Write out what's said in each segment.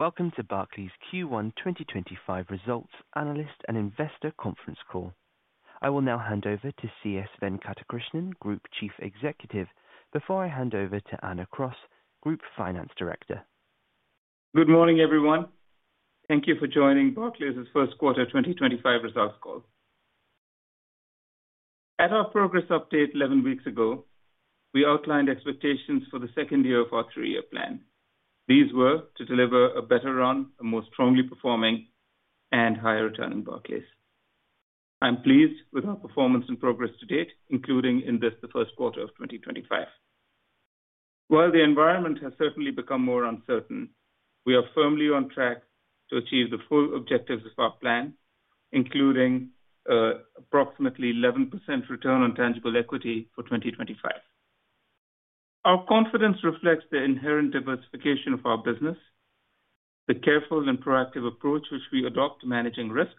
Welcome to Barclays Q1 2025 results analyst and investor conference call. I will now hand over to CS Venkatakrishnan, Group Chief Executive, before I hand over to Anna Cross, Group Finance Director. Good morning, everyone. Thank you for joining Barclays' first quarter 2025 results call. At our progress update 11 weeks ago, we outlined expectations for the second year of our three-year plan. These were to deliver a better run, a more strongly performing, and higher-returning Barclays. I'm pleased with our performance and progress to date, including in this the first quarter of 2025. While the environment has certainly become more uncertain, we are firmly on track to achieve the full objectives of our plan, including an approximately 11% return on tangible equity for 2025. Our confidence reflects the inherent diversification of our business, the careful and proactive approach which we adopt to managing risk,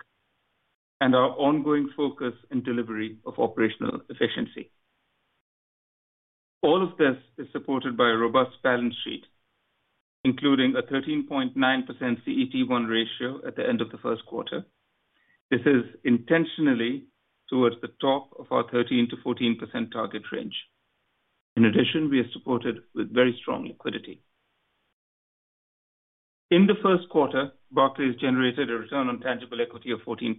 and our ongoing focus and delivery of operational efficiency. All of this is supported by a robust balance sheet, including a 13.9% CET1 ratio at the end of the first quarter. This is intentionally towards the top of our 13%-14% target range. In addition, we are supported with very strong liquidity. In the first quarter, Barclays generated a return on tangible equity of 14%.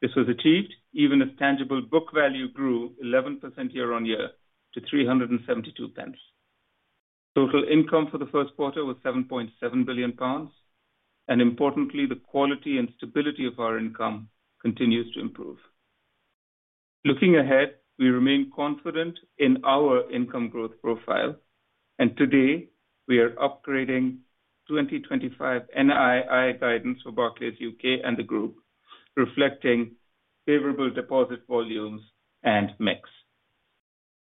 This was achieved even as tangible book value grew 11% year on year to 372. Total income for the first quarter was 7.7 billion pounds, and importantly, the quality and stability of our income continues to improve. Looking ahead, we remain confident in our income growth profile, and today we are upgrading 2025 NII guidance for Barclays UK and the Group, reflecting favorable deposit volumes and mix.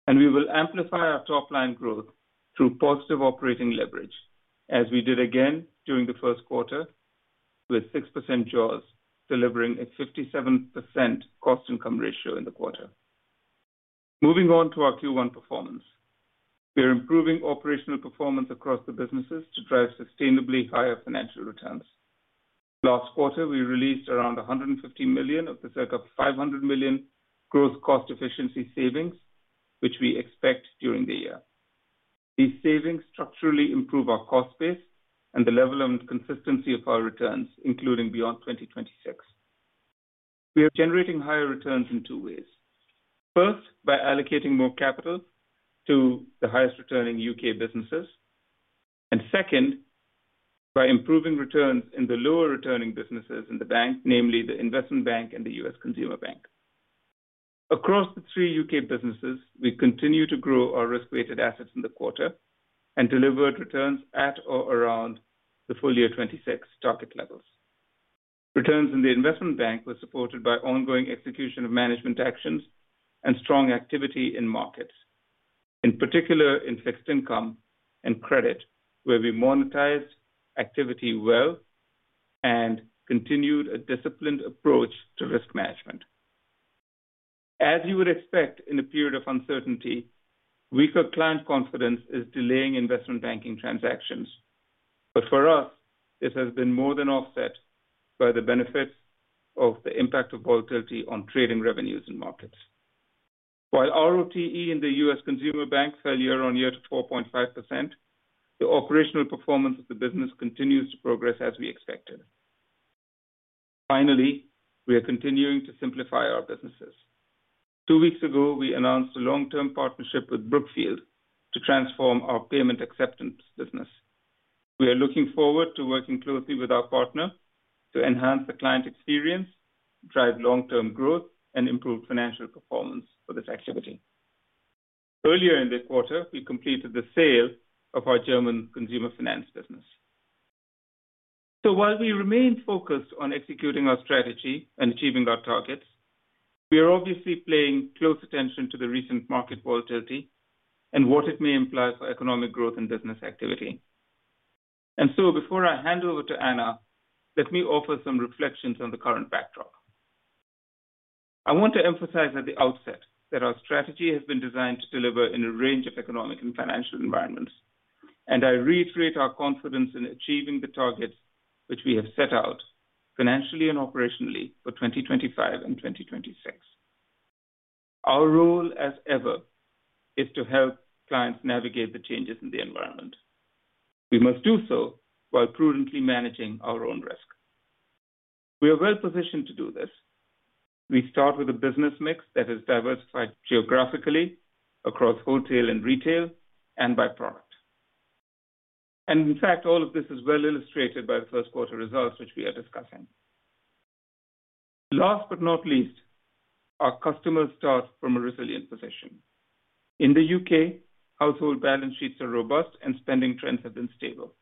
We will amplify our top-line growth through positive operating leverage, as we did again during the first quarter, with 6% jaws delivering a 57% cost-income ratio in the quarter. Moving on to our Q1 performance, we are improving operational performance across the businesses to drive sustainably higher financial returns. Last quarter, we released around 150 million of the circa 500 million gross cost efficiency savings, which we expect during the year. These savings structurally improve our cost base and the level and consistency of our returns, including beyond 2026. We are generating higher returns in two ways. First, by allocating more capital to the highest returning U.K. businesses, and second, by improving returns in the lower returning businesses in the bank, namely the Investment Bank and the U.S. Consumer Bank. Across the three U.K. businesses, we continue to grow our risk-weighted assets in the quarter and delivered returns at or around the full year 2026 target levels. Returns in the Investment Bank were supported by ongoing execution of management actions and strong activity in markets, in particular in fixed income and credit, where we monetized activity well and continued a disciplined approach to risk management. As you would expect in a period of uncertainty, weaker client confidence is delaying investment banking transactions, but for us, this has been more than offset by the benefits of the impact of volatility on trading revenues and markets. While ROTE in the U.S. Consumer Bank fell year on year to 4.5%, the operational performance of the business continues to progress as we expected. Finally, we are continuing to simplify our businesses. Two weeks ago, we announced a long-term partnership with Brookfield to transform our payment acceptance business. We are looking forward to working closely with our partner to enhance the client experience, drive long-term growth, and improve financial performance for this activity. Earlier in the quarter, we completed the sale of our German consumer finance business. While we remain focused on executing our strategy and achieving our targets, we are obviously paying close attention to the recent market volatility and what it may imply for economic growth and business activity. Before I hand over to Anna, let me offer some reflections on the current backdrop. I want to emphasize at the outset that our strategy has been designed to deliver in a range of economic and financial environments, and I reiterate our confidence in achieving the targets which we have set out financially and operationally for 2025 and 2026. Our role, as ever, is to help clients navigate the changes in the environment. We must do so while prudently managing our own risk. We are well positioned to do this. We start with a business mix that is diversified geographically across wholesale and retail and by product. In fact, all of this is well illustrated by the first quarter results which we are discussing. Last but not least, our customers start from a resilient position. In the U.K., household balance sheets are robust, and spending trends have been stable.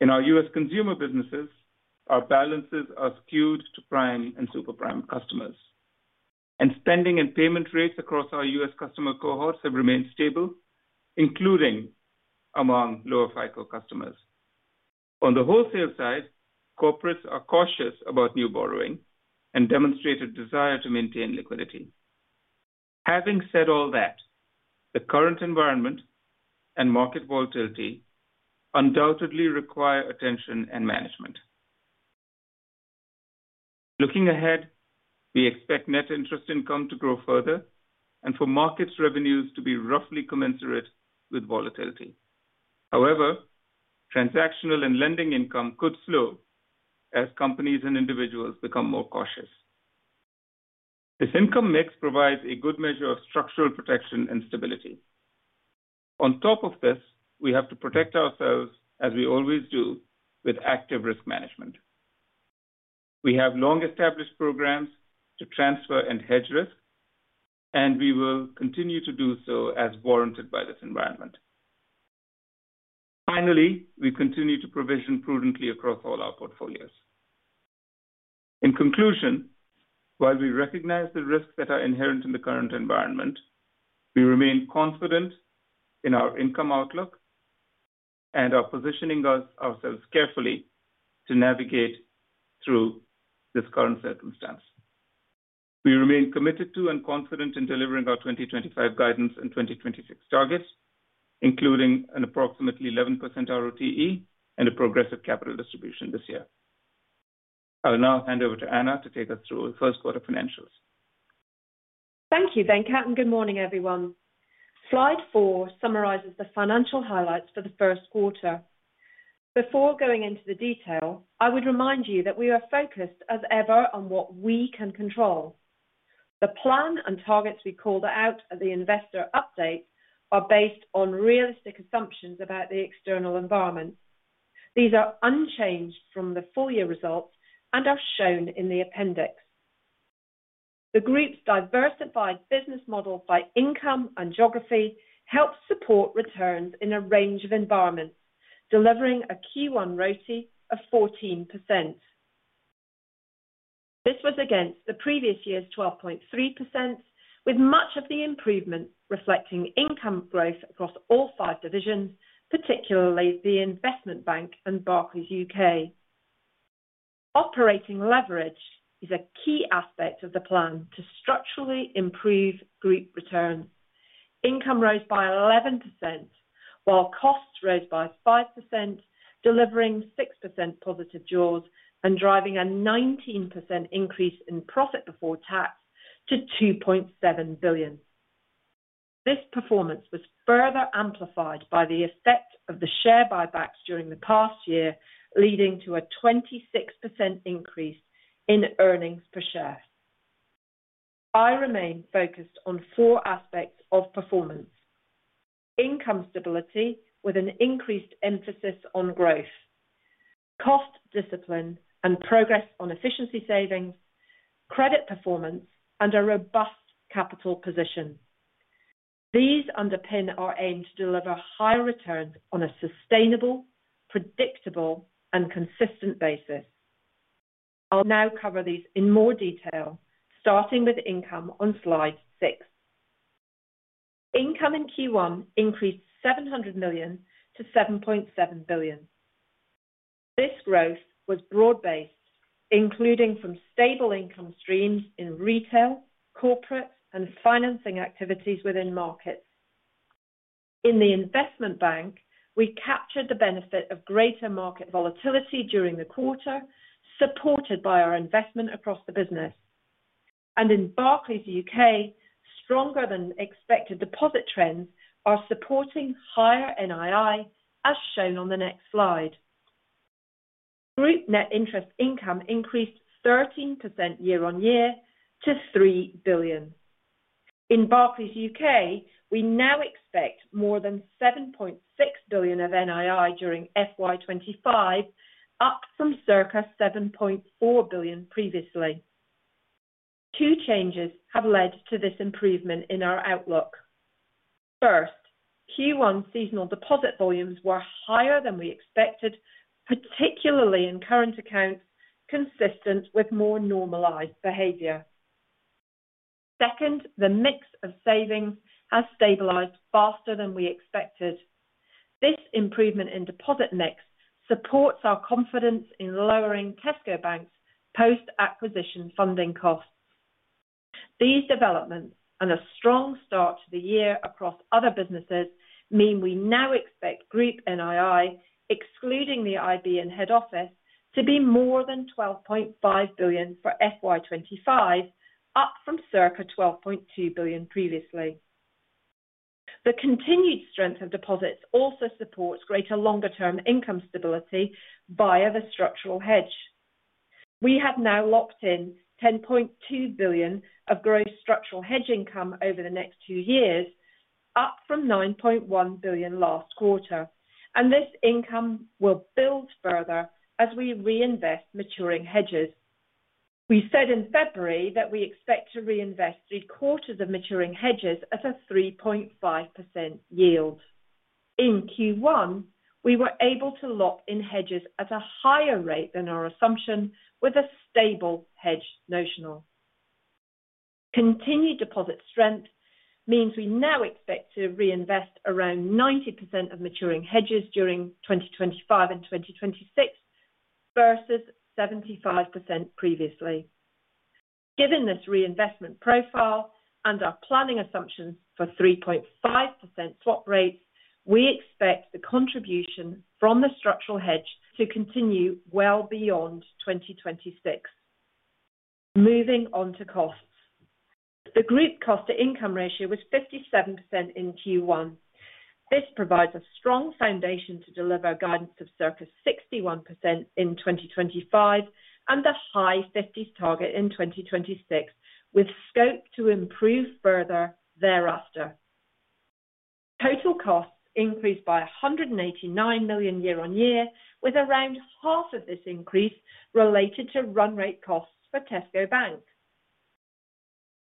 In our U.S. consumer businesses, our balances are skewed to prime and super prime customers, and spending and payment rates across our U.S. customer cohorts have remained stable, including among lower FICO customers. On the wholesale side, corporates are cautious about new borrowing and demonstrate a desire to maintain liquidity. Having said all that, the current environment and market volatility undoubtedly require attention and management. Looking ahead, we expect net interest income to grow further and for market revenues to be roughly commensurate with volatility. However, transactional and lending income could slow as companies and individuals become more cautious. This income mix provides a good measure of structural protection and stability. On top of this, we have to protect ourselves, as we always do, with active risk management. We have long-established programs to transfer and hedge risk, and we will continue to do so as warranted by this environment. Finally, we continue to provision prudently across all our portfolios. In conclusion, while we recognize the risks that are inherent in the current environment, we remain confident in our income outlook and are positioning ourselves carefully to navigate through this current circumstance. We remain committed to and confident in delivering our 2025 guidance and 2026 targets, including an approximately 11% ROTE and a progressive capital distribution this year. I will now hand over to Anna to take us through the first quarter financials. Thank you, Venkat, and good morning, everyone. Slide four summarizes the financial highlights for the first quarter. Before going into the detail, I would remind you that we are focused, as ever, on what we can control. The plan and targets we called out at the investor update are based on realistic assumptions about the external environment. These are unchanged from the full year results and are shown in the appendix. The Group's diversified business model by income and geography helps support returns in a range of environments, delivering a Q1 ROTE of 14%. This was against the previous year's 12.3%, with much of the improvement reflecting income growth across all five divisions, particularly the Investment Bank and Barclays UK. Operating leverage is a key aspect of the plan to structurally improve Group returns. Income rose by 11%, while costs rose by 5%, delivering 6% positive jaws and driving a 19% increase in profit before tax to 2.7 billion. This performance was further amplified by the effect of the share buybacks during the past year, leading to a 26% increase in earnings per share. I remain focused on four aspects of performance: income stability with an increased emphasis on growth, cost discipline, and progress on efficiency savings, credit performance, and a robust capital position. These underpin our aim to deliver high returns on a sustainable, predictable, and consistent basis. I'll now cover these in more detail, starting with income on slide six. Income in Q1 increased 700 million to 7.7 billion. This growth was broad-based, including from stable income streams in retail, corporate, and financing activities within markets. In the Investment Bank, we captured the benefit of greater market volatility during the quarter, supported by our investment across the business. In Barclays U.K., stronger-than-expected deposit trends are supporting higher NII, as shown on the next slide. Group net interest income increased 13% year on year to 3 billion. In Barclays U.K., we now expect more than 7.6 billion of NII during FY2025, up from circa 7.4 billion previously. Two changes have led to this improvement in our outlook. First, Q1 seasonal deposit volumes were higher than we expected, particularly in current accounts, consistent with more normalized behavior. Second, the mix of savings has stabilized faster than we expected. This improvement in deposit mix supports our confidence in lowering Tesco Bank's post-acquisition funding costs. These developments and a strong start to the year across other businesses mean we now expect Group NII, excluding the IB in head office, to be more than 12.5 billion for FY2025, up from circa 12.2 billion previously. The continued strength of deposits also supports greater longer-term income stability via the structural hedge. We have now locked in 10.2 billion of gross structural hedge income over the next two years, up from 9.1 billion last quarter. This income will build further as we reinvest maturing hedges. We said in February that we expect to reinvest three-quarters of maturing hedges at a 3.5% yield. In Q1, we were able to lock in hedges at a higher rate than our assumption, with a stable hedge notional. Continued deposit strength means we now expect to reinvest around 90% of maturing hedges during 2025 and 2026 versus 75% previously. Given this reinvestment profile and our planning assumptions for 3.5% swap rates, we expect the contribution from the structural hedge to continue well beyond 2026. Moving on to costs. The Group cost-to-income ratio was 57% in Q1. This provides a strong foundation to deliver guidance of circa 61% in 2025 and a high 50s target in 2026, with scope to improve further thereafter. Total costs increased by 189 million year on year, with around half of this increase related to run rate costs for Tesco Bank.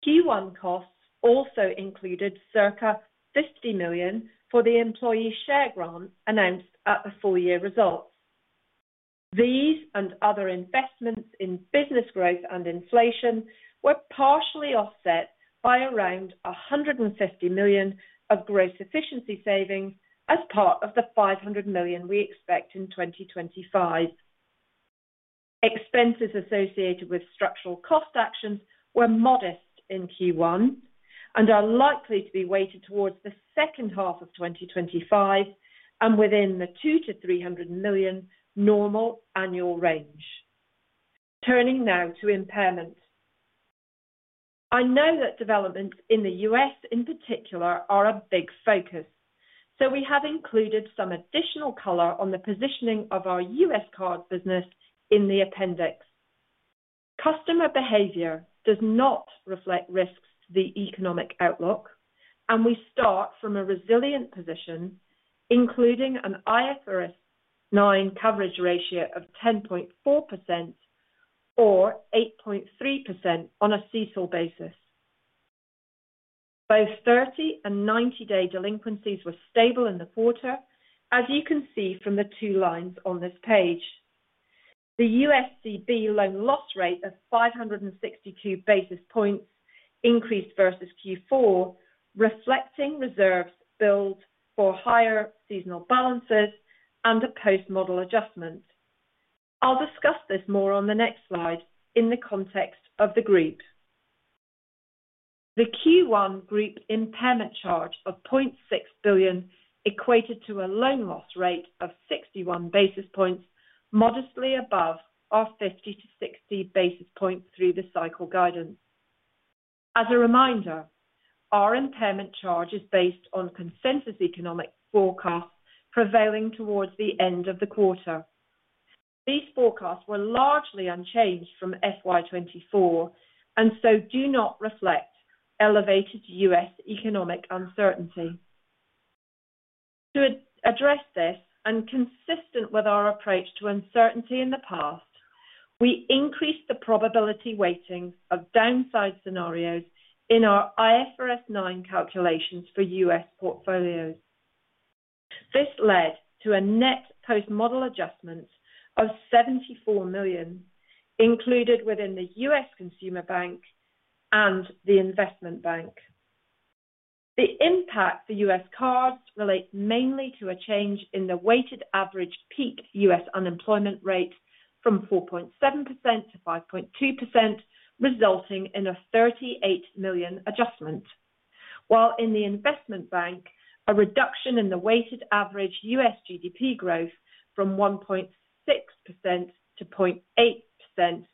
Q1 costs also included circa 50 million for the employee share grant announced at the full year results. These and other investments in business growth and inflation were partially offset by around 150 million of gross efficiency savings as part of the 500 million we expect in 2025. Expenses associated with structural cost actions were modest in Q1 and are likely to be weighted towards the second half of 2025 and within the 200 million-300 million normal annual range. Turning now to impairments. I know that developments in the U.S., in particular, are a big focus, so we have included some additional color on the positioning of our U.S. cards business in the appendix. Customer behavior does not reflect risks to the economic outlook, and we start from a resilient position, including an IFRS 9 coverage ratio of 10.4% or 8.3% on a CESOL basis. Both 30 and 90-day delinquencies were stable in the quarter, as you can see from the two lines on this page. The USCB loan loss rate of 562 basis points increased versus Q4, reflecting reserves billed for higher seasonal balances and a post-model adjustment. I'll discuss this more on the next slide in the context of the Group. The Q1 Group impairment charge of 0.6 billion equated to a loan loss rate of 61 basis points, modestly above our 50-60 basis points through the cycle guidance. As a reminder, our impairment charge is based on consensus economic forecasts prevailing towards the end of the quarter. These forecasts were largely unchanged from 2024 and so do not reflect elevated U.S. economic uncertainty. To address this, and consistent with our approach to uncertainty in the past, we increased the probability weighting of downside scenarios in our IFRS 9 calculations for U.S. portfolios. This led to a net post-model adjustment of 74 million, included within the U.S. Consumer Bank and the Investment Bank. The impact for U.S. cards relates mainly to a change in the weighted average peak U.S. unemployment rate from 4.7% to 5.2%, resulting in a 38 million adjustment. While in the Investment Bank, a reduction in the weighted average U.S. GDP growth from 1.6% to 0.8%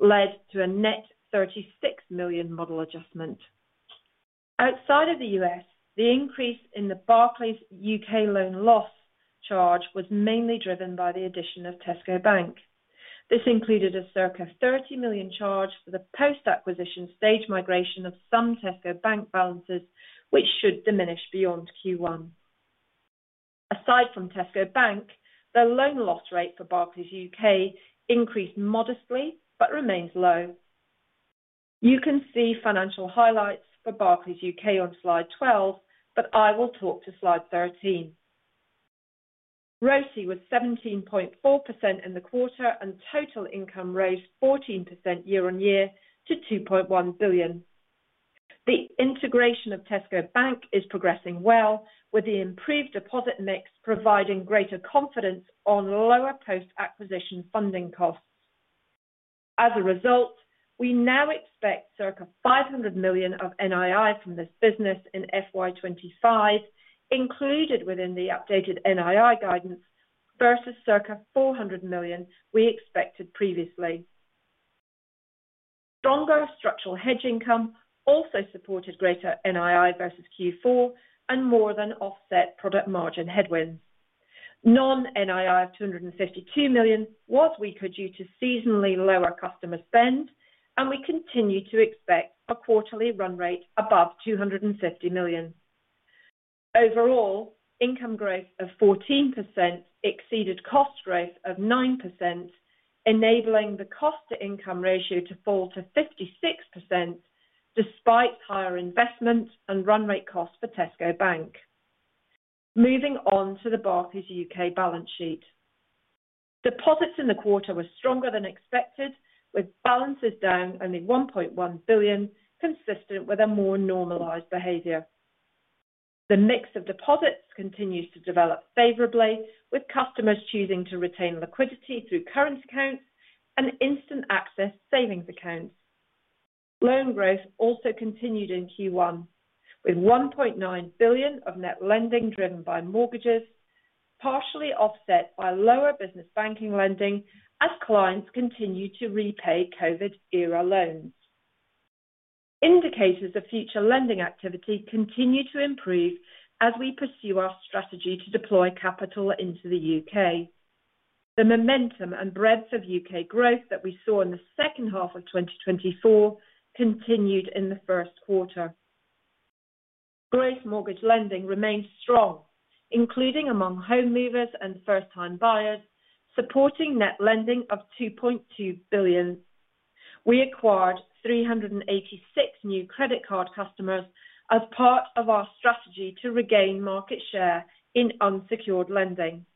led to a net 36 million model adjustment. Outside of the U.S., the increase in the Barclays UK loan loss charge was mainly driven by the addition of Tesco Bank. This included a circa 30 million charge for the post-acquisition stage migration of some Tesco Bank balances, which should diminish beyond Q1. Aside from Tesco Bank, the loan loss rate for Barclays UK increased modestly but remains low. You can see financial highlights for Barclays UK on slide 12, but I will talk to slide 13. ROTE was 17.4% in the quarter, and total income rose 14% year on year to 2.1 billion. The integration of Tesco Bank is progressing well, with the improved deposit mix providing greater confidence on lower post-acquisition funding costs. As a result, we now expect circa 500 million of NII from this business in FY2025, included within the updated NII guidance, versus circa 400 million we expected previously. Stronger structural hedge income also supported greater NII versus Q4 and more than offset product margin headwinds. Non-NII of 252 million was weaker due to seasonally lower customer spend, and we continue to expect a quarterly run rate above 250 million. Overall, income growth of 14% exceeded cost growth of 9%, enabling the cost-to-income ratio to fall to 56% despite higher investment and run rate costs for Tesco Bank. Moving on to the Barclays U.K. balance sheet. Deposits in the quarter were stronger than expected, with balances down only 1.1 billion, consistent with a more normalized behavior. The mix of deposits continues to develop favorably, with customers choosing to retain liquidity through current accounts and instant access savings accounts. Loan growth also continued in Q1, with 1.9 billion of net lending driven by mortgages, partially offset by lower business banking lending as clients continue to repay COVID-era loans. Indicators of future lending activity continue to improve as we pursue our strategy to deploy capital into the U.K. The momentum and breadth of U.K. growth that we saw in the second half of 2024 continued in the first quarter. Gross mortgage lending remained strong, including among home movers and first-time buyers, supporting net lending of 2.2 billion. We acquired 386 new credit card customers as part of our strategy to regain market share in unsecured lending.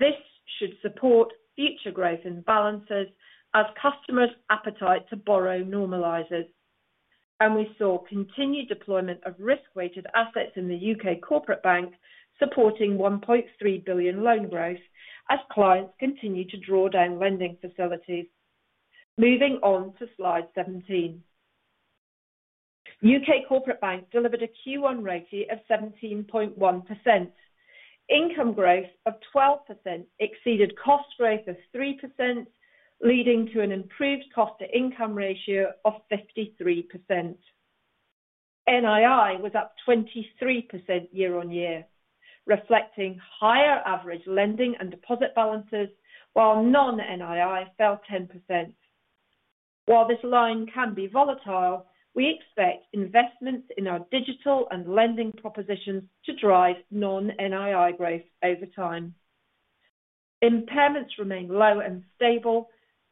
This should support future growth in balances as customers' appetite to borrow normalizes. We saw continued deployment of risk-weighted assets in the U.K. corporate bank, supporting 1.3 billion loan growth as clients continue to draw down lending facilities. Moving on to slide 17. U.K. corporate bank delivered a Q1 ROTE of 17.1%. Income growth of 12% exceeded cost growth of 3%, leading to an improved cost-to-income ratio of 53%. NII was up 23% year on year, reflecting higher average lending and deposit balances, while non-NII fell 10%. While this line can be volatile, we expect investments in our digital and lending propositions to drive non-NII growth over time. Impairments remain low and stable,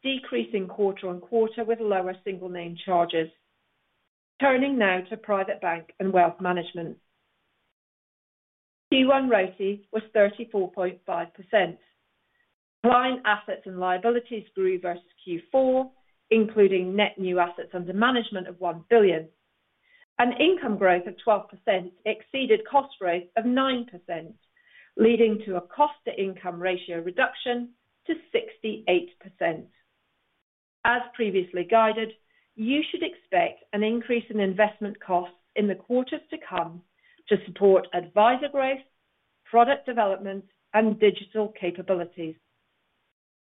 decreasing quarter on quarter with lower single-name charges. Turning now to private bank and wealth management. Q1 ROTE was 34.5%. Client assets and liabilities grew versus Q4, including net new assets under management of 1 billion. Income growth of 12% exceeded cost growth of 9%, leading to a cost-to-income ratio reduction to 68%. As previously guided, you should expect an increase in investment costs in the quarters to come to support advisor growth, product development, and digital capabilities.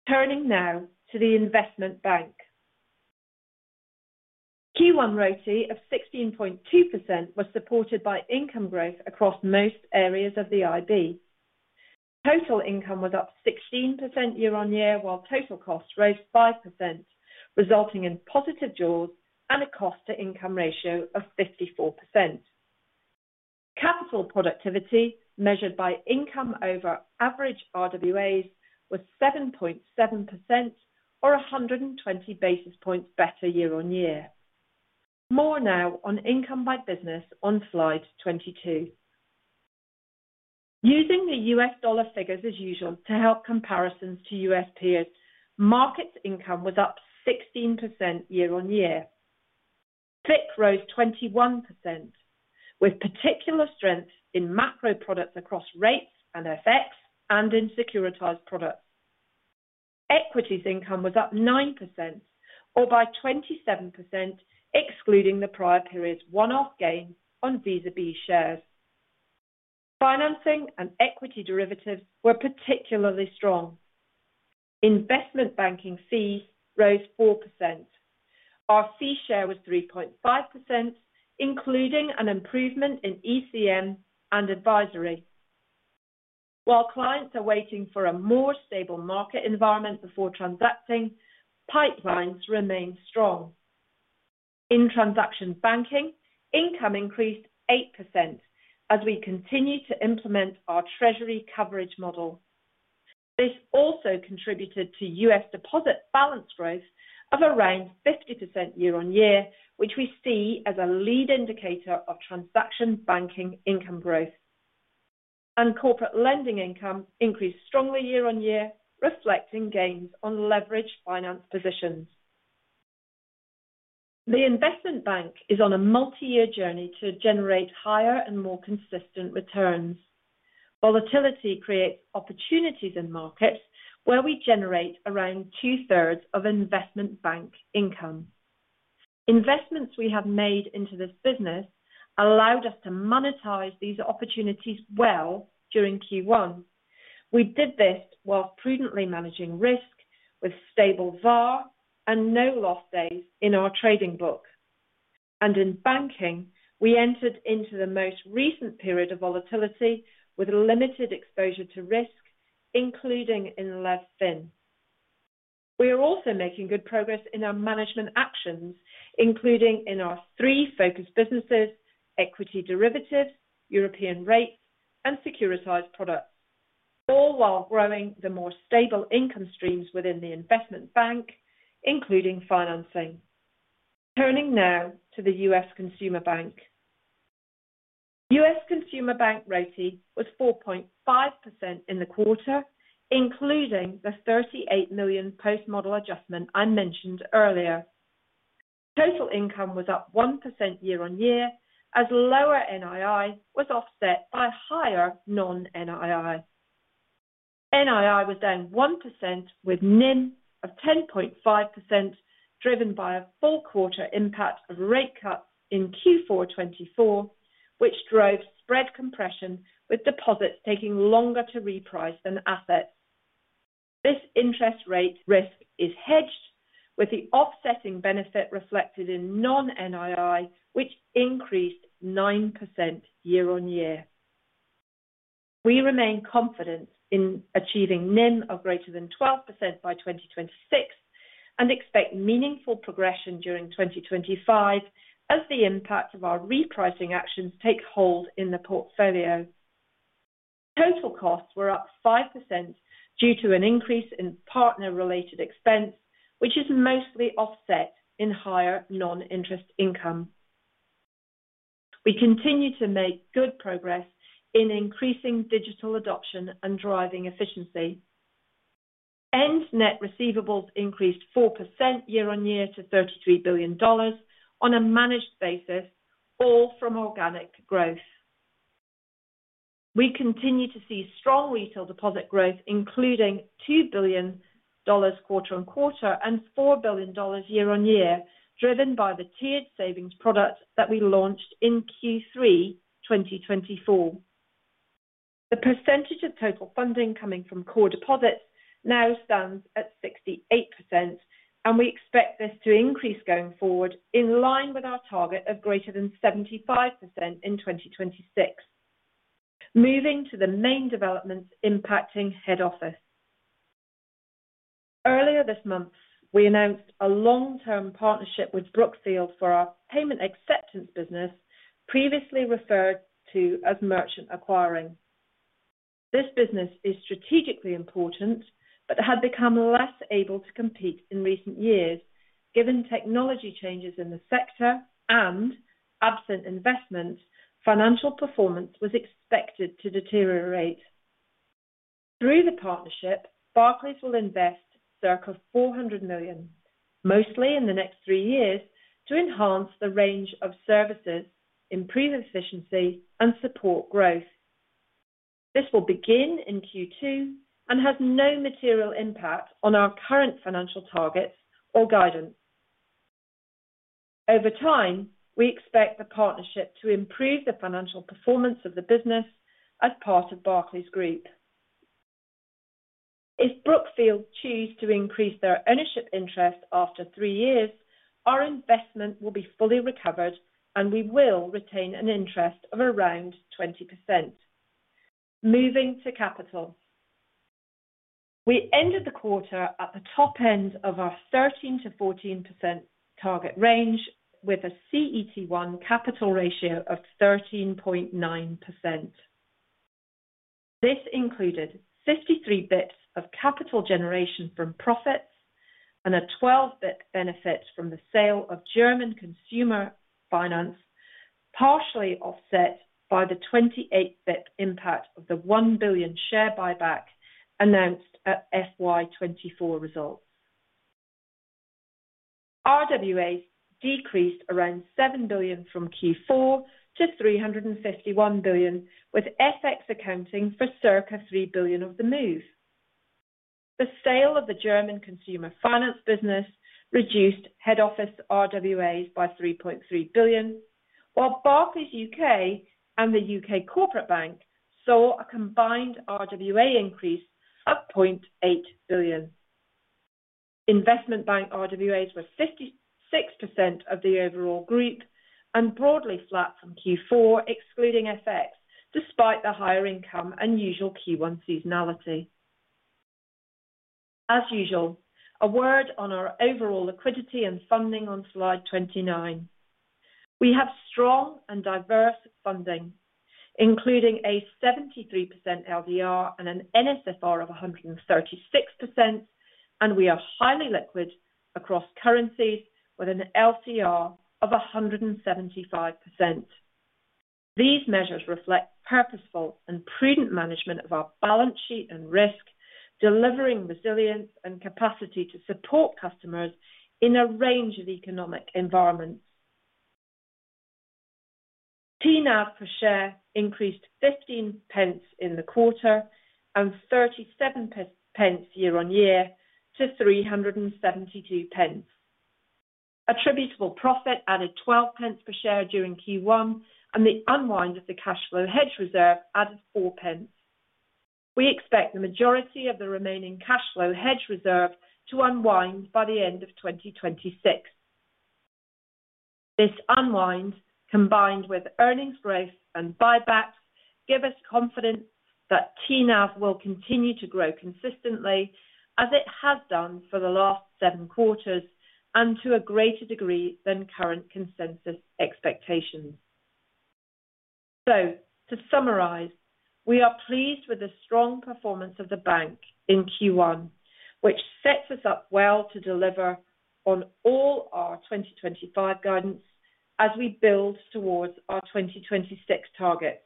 Turning now to the investment bank. Q1 ROTE of 16.2% was supported by income growth across most areas of the IB. Total income was up 16% year on year, while total costs rose 5%, resulting in positive jaws and a cost-to-income ratio of 54%. Capital productivity, measured by income over average RWAs, was 7.7%, or 120 basis points better year on year. More now on income by business on slide 22. Using the US dollar figures as usual to help comparisons to US peers, markets income was up 16% year on year. FIC rose 21%, with particular strength in macro products across rates and FX and in securitized products. Equities income was up 9%, or by 27%, excluding the prior period's one-off gain on Visa B shares. Financing and equity derivatives were particularly strong. Investment banking fees rose 4%. Our fee share was 3.5%, including an improvement in ECM and advisory. While clients are waiting for a more stable market environment before transacting, pipelines remain strong. In transaction banking, income increased 8% as we continue to implement our treasury coverage model. This also contributed to U.S. deposit balance growth of around 50% year on year, which we see as a lead indicator of transaction banking income growth. Corporate lending income increased strongly year on year, reflecting gains on leveraged finance positions. The investment bank is on a multi-year journey to generate higher and more consistent returns. Volatility creates opportunities in markets where we generate around two-thirds of investment bank income. Investments we have made into this business allowed us to monetize these opportunities well during Q1. We did this while prudently managing risk with stable VAR and no loss days in our trading book. In banking, we entered into the most recent period of volatility with limited exposure to risk, including in Lev Fin. We are also making good progress in our management actions, including in our three focus businesses: equity derivatives, European rates, and securitized products, all while growing the more stable income streams within the investment bank, including financing. Turning now to the US Consumer Bank. US Consumer Bank royalty was 4.5% in the quarter, including the 38 million post-model adjustment I mentioned earlier. Total income was up 1% year on year as lower NII was offset by higher non-NII. NII was down 1% with NIM of 10.5%, driven by a four-quarter impact of rate cuts in Q4 2024, which drove spread compression, with deposits taking longer to reprice than assets. This interest rate risk is hedged, with the offsetting benefit reflected in non-NII, which increased 9% year on year. We remain confident in achieving NIM of greater than 12% by 2026 and expect meaningful progression during 2025 as the impact of our repricing actions takes hold in the portfolio. Total costs were up 5% due to an increase in partner-related expense, which is mostly offset in higher non-interest income. We continue to make good progress in increasing digital adoption and driving efficiency. End net receivables increased 4% year on year to $33 billion on a managed basis, all from organic growth. We continue to see strong retail deposit growth, including $2 billion quarter on quarter and $4 billion year on year, driven by the tiered savings product that we launched in Q3 2024. The percentage of total funding coming from core deposits now stands at 68%, and we expect this to increase going forward in line with our target of greater than 75% in 2026. Moving to the main developments impacting head office. Earlier this month, we announced a long-term partnership with Brookfield for our payment acceptance business, previously referred to as merchant acquiring. This business is strategically important but had become less able to compete in recent years. Given technology changes in the sector and absent investments, financial performance was expected to deteriorate. Through the partnership, Barclays will invest 400 million, mostly in the next three years, to enhance the range of services, improve efficiency, and support growth. This will begin in Q2 and has no material impact on our current financial targets or guidance. Over time, we expect the partnership to improve the financial performance of the business as part of Barclays Group. If Brookfield chooses to increase their ownership interest after three years, our investment will be fully recovered, and we will retain an interest of around 20%. Moving to capital. We ended the quarter at the top end of our 13%-14% target range with a CET1 capital ratio of 13.9%. This included 53 basis points of capital generation from profits and a 12 basis point benefit from the sale of German consumer finance, partially offset by the 28 basis point impact of the 1 billion share buyback announced at FY2024 results. RWAs decreased around 7 billion from Q4 to 351 billion, with FX accounting for circa 3 billion of the move. The sale of the German consumer finance business reduced head office RWAs by 3.3 billion, while Barclays UK and the UK corporate bank saw a combined RWA increase of 0.8 billion. Investment bank RWAs were 56% of the overall group and broadly flat from Q4, excluding FX, despite the higher income and usual Q1 seasonality. As usual, a word on our overall liquidity and funding on slide 29. We have strong and diverse funding, including a 73% LDR and an NSFR of 136%, and we are highly liquid across currencies, with an LCR of 175%. These measures reflect purposeful and prudent management of our balance sheet and risk, delivering resilience and capacity to support customers in a range of economic environments. TNAV per share increased 15 pence in the quarter and 37 pence year on year to 372 pence. Attributable profit added 12 pence per share during Q1, and the unwind of the cash flow hedge reserve added 4 pence. We expect the majority of the remaining cash flow hedge reserve to unwind by the end of 2026. This unwind, combined with earnings growth and buybacks, gives us confidence that TNAV will continue to grow consistently, as it has done for the last seven quarters, and to a greater degree than current consensus expectations. To summarise, we are pleased with the strong performance of the bank in Q1, which sets us up well to deliver on all our 2025 guidance as we build towards our 2026 target.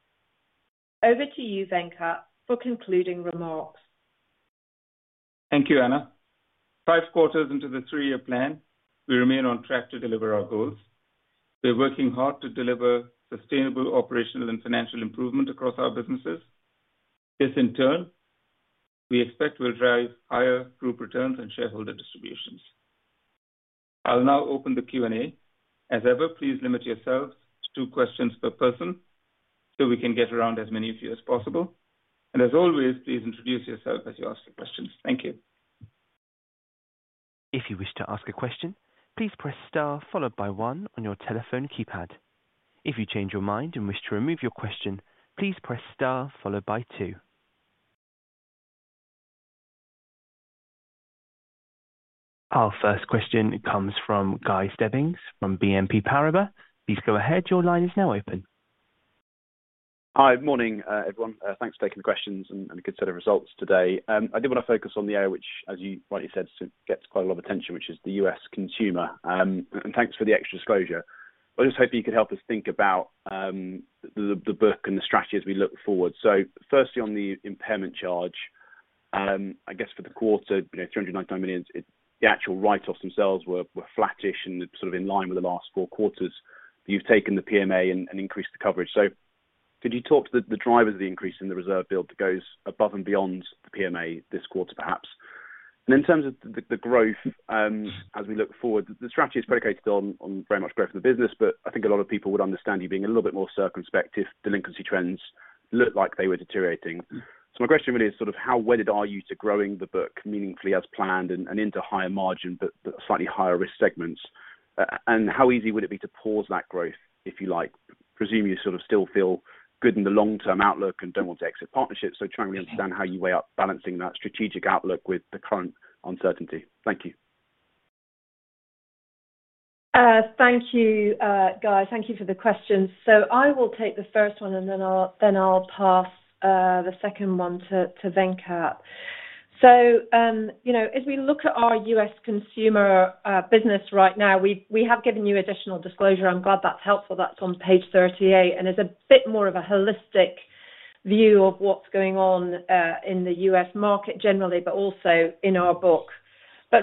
Over to you, Venkat, for concluding remarks. Thank you, Anna. Five quarters into the three-year plan, we remain on track to deliver our goals. We are working hard to deliver sustainable operational and financial improvement across our businesses. This, in turn, we expect will drive higher group returns and shareholder distributions. I'll now open the Q&A. As ever, please limit yourselves to two questions per person so we can get around as many of you as possible. As always, please introduce yourself as you ask your questions. Thank you. If you wish to ask a question, please press star followed by one on your telephone keypad. If you change your mind and wish to remove your question, please press star followed by two. Our first question comes from Guy Stebbings from BNP Paribas. Please go ahead. Your line is now open. Hi, good morning, everyone. Thanks for taking the questions and a good set of results today. I did want to focus on the area which, as you rightly said, gets quite a lot of attention, which is the US consumer. Thanks for the extra disclosure. I just hope you could help us think about the book and the strategies we look forward. Firstly, on the impairment charge, I guess for the quarter, 399 million, the actual write-offs themselves were flattish and sort of in line with the last four quarters. You've taken the PMA and increased the coverage. Could you talk to the drivers of the increase in the reserve bill that goes above and beyond the PMA this quarter, perhaps? In terms of the growth, as we look forward, the strategy is predicated on very much growth in the business, but I think a lot of people would understand you being a little bit more circumspect if delinquency trends looked like they were deteriorating. My question really is sort of how wedded are you to growing the book meaningfully as planned and into higher margin but slightly higher risk segments? How easy would it be to pause that growth, if you like? Presume you sort of still feel good in the long-term outlook and do not want to exit partnerships. Try and understand how you weigh up balancing that strategic outlook with the current uncertainty. Thank you. Thank you, Guy. Thank you for the questions. I will take the first one, and then I'll pass the second one to Venkat. As we look at our US consumer business right now, we have given you additional disclosure. I'm glad that's helpful. That's on page 38, and it's a bit more of a holistic view of what's going on in the US market generally, but also in our book.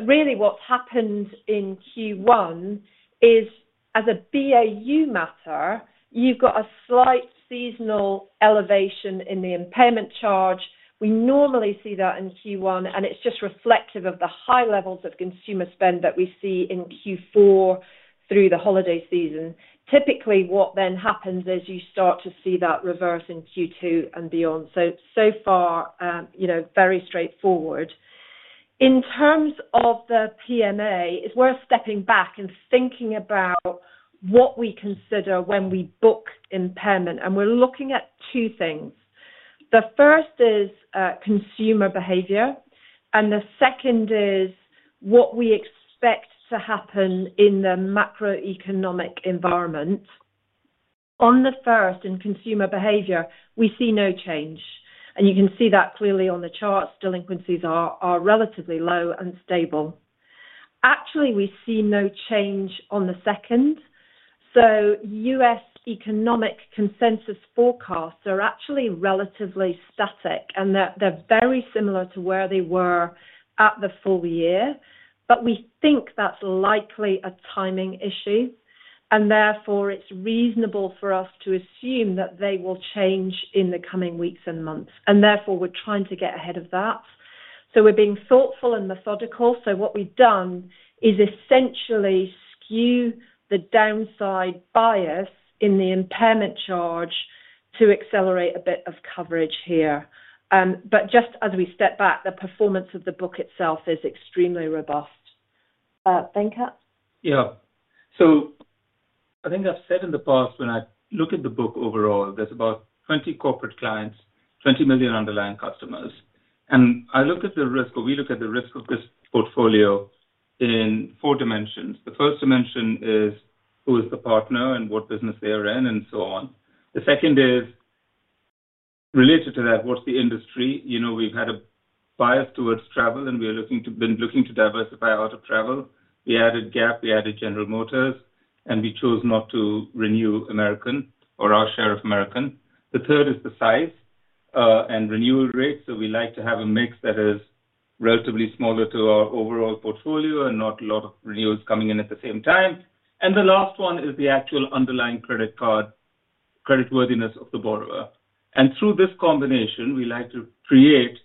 Really, what's happened in Q1 is, as a BAU matter, you've got a slight seasonal elevation in the impairment charge. We normally see that in Q1, and it's just reflective of the high levels of consumer spend that we see in Q4 through the holiday season. Typically, what then happens is you start to see that reverse in Q2 and beyond. Very straightforward. In terms of the PMA, it's worth stepping back and thinking about what we consider when we book impairment. We're looking at two things. The first is consumer behavior, and the second is what we expect to happen in the macroeconomic environment. On the first, in consumer behavior, we see no change. You can see that clearly on the charts. Delinquencies are relatively low and stable. Actually, we see no change on the second. U.S. economic consensus forecasts are actually relatively static, and they're very similar to where they were at the full year. We think that's likely a timing issue, and therefore it's reasonable for us to assume that they will change in the coming weeks and months. Therefore, we're trying to get ahead of that. We're being thoughtful and methodical. What we've done is essentially skew the downside bias in the impairment charge to accelerate a bit of coverage here. Just as we step back, the performance of the book itself is extremely robust. Venkat? Yeah. I think I've said in the past, when I look at the book overall, there's about 20 corporate clients, 20 million underlying customers. I look at the risk, or we look at the risk of this portfolio in four dimensions. The first dimension is who is the partner and what business they are in, and so on. The second is related to that, what's the industry? We've had a bias towards travel, and we've been looking to diversify out of travel. We added Gap, we added General Motors, and we chose not to renew American or our share of American. The third is the size and renewal rate. We like to have a mix that is relatively smaller to our overall portfolio and not a lot of renewals coming in at the same time. The last one is the actual underlying credit card creditworthiness of the borrower. Through this combination, we like to create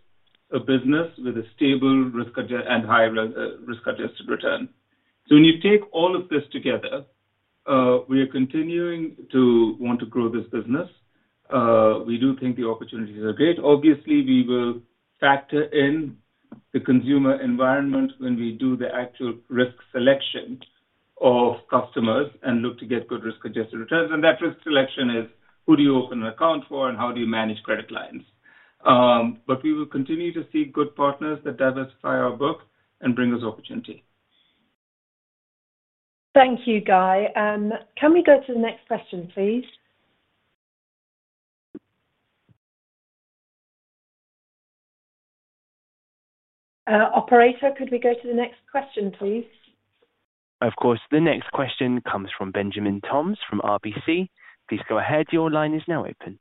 a business with a stable risk and high risk-adjusted return. When you take all of this together, we are continuing to want to grow this business. We do think the opportunities are great. Obviously, we will factor in the consumer environment when we do the actual risk selection of customers and look to get good risk-adjusted returns. That risk selection is who do you open an account for, and how do you manage credit lines? We will continue to seek good partners that diversify our book and bring us opportunity. Thank you, Guy. Can we go to the next question, please? Operator, could we go to the next question, please? Of course. The next question comes from Benjamin Toms from RBC. Please go ahead. Your line is now open.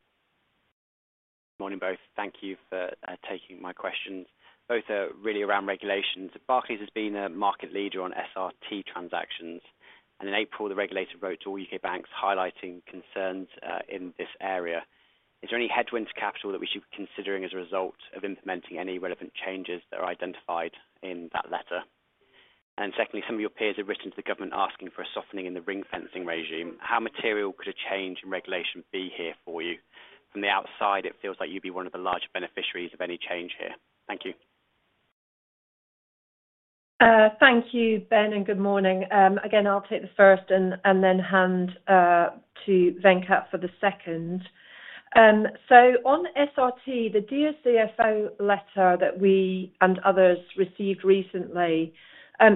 Morning, both. Thank you for taking my questions. Both are really around regulations. Barclays has been a market leader on SRT transactions, and in April, the regulator wrote to all U.K. banks highlighting concerns in this area. Is there any headwinds to capital that we should be considering as a result of implementing any relevant changes that are identified in that letter? Secondly, some of your peers have written to the government asking for a softening in the ring-fencing regime. How material could a change in regulation be here for you? From the outside, it feels like you'd be one of the larger beneficiaries of any change here. Thank you. Thank you, Ben, and good morning. Again, I'll take the first and then hand to Venkat for the second. On SRT, the DOCFO letter that we and others received recently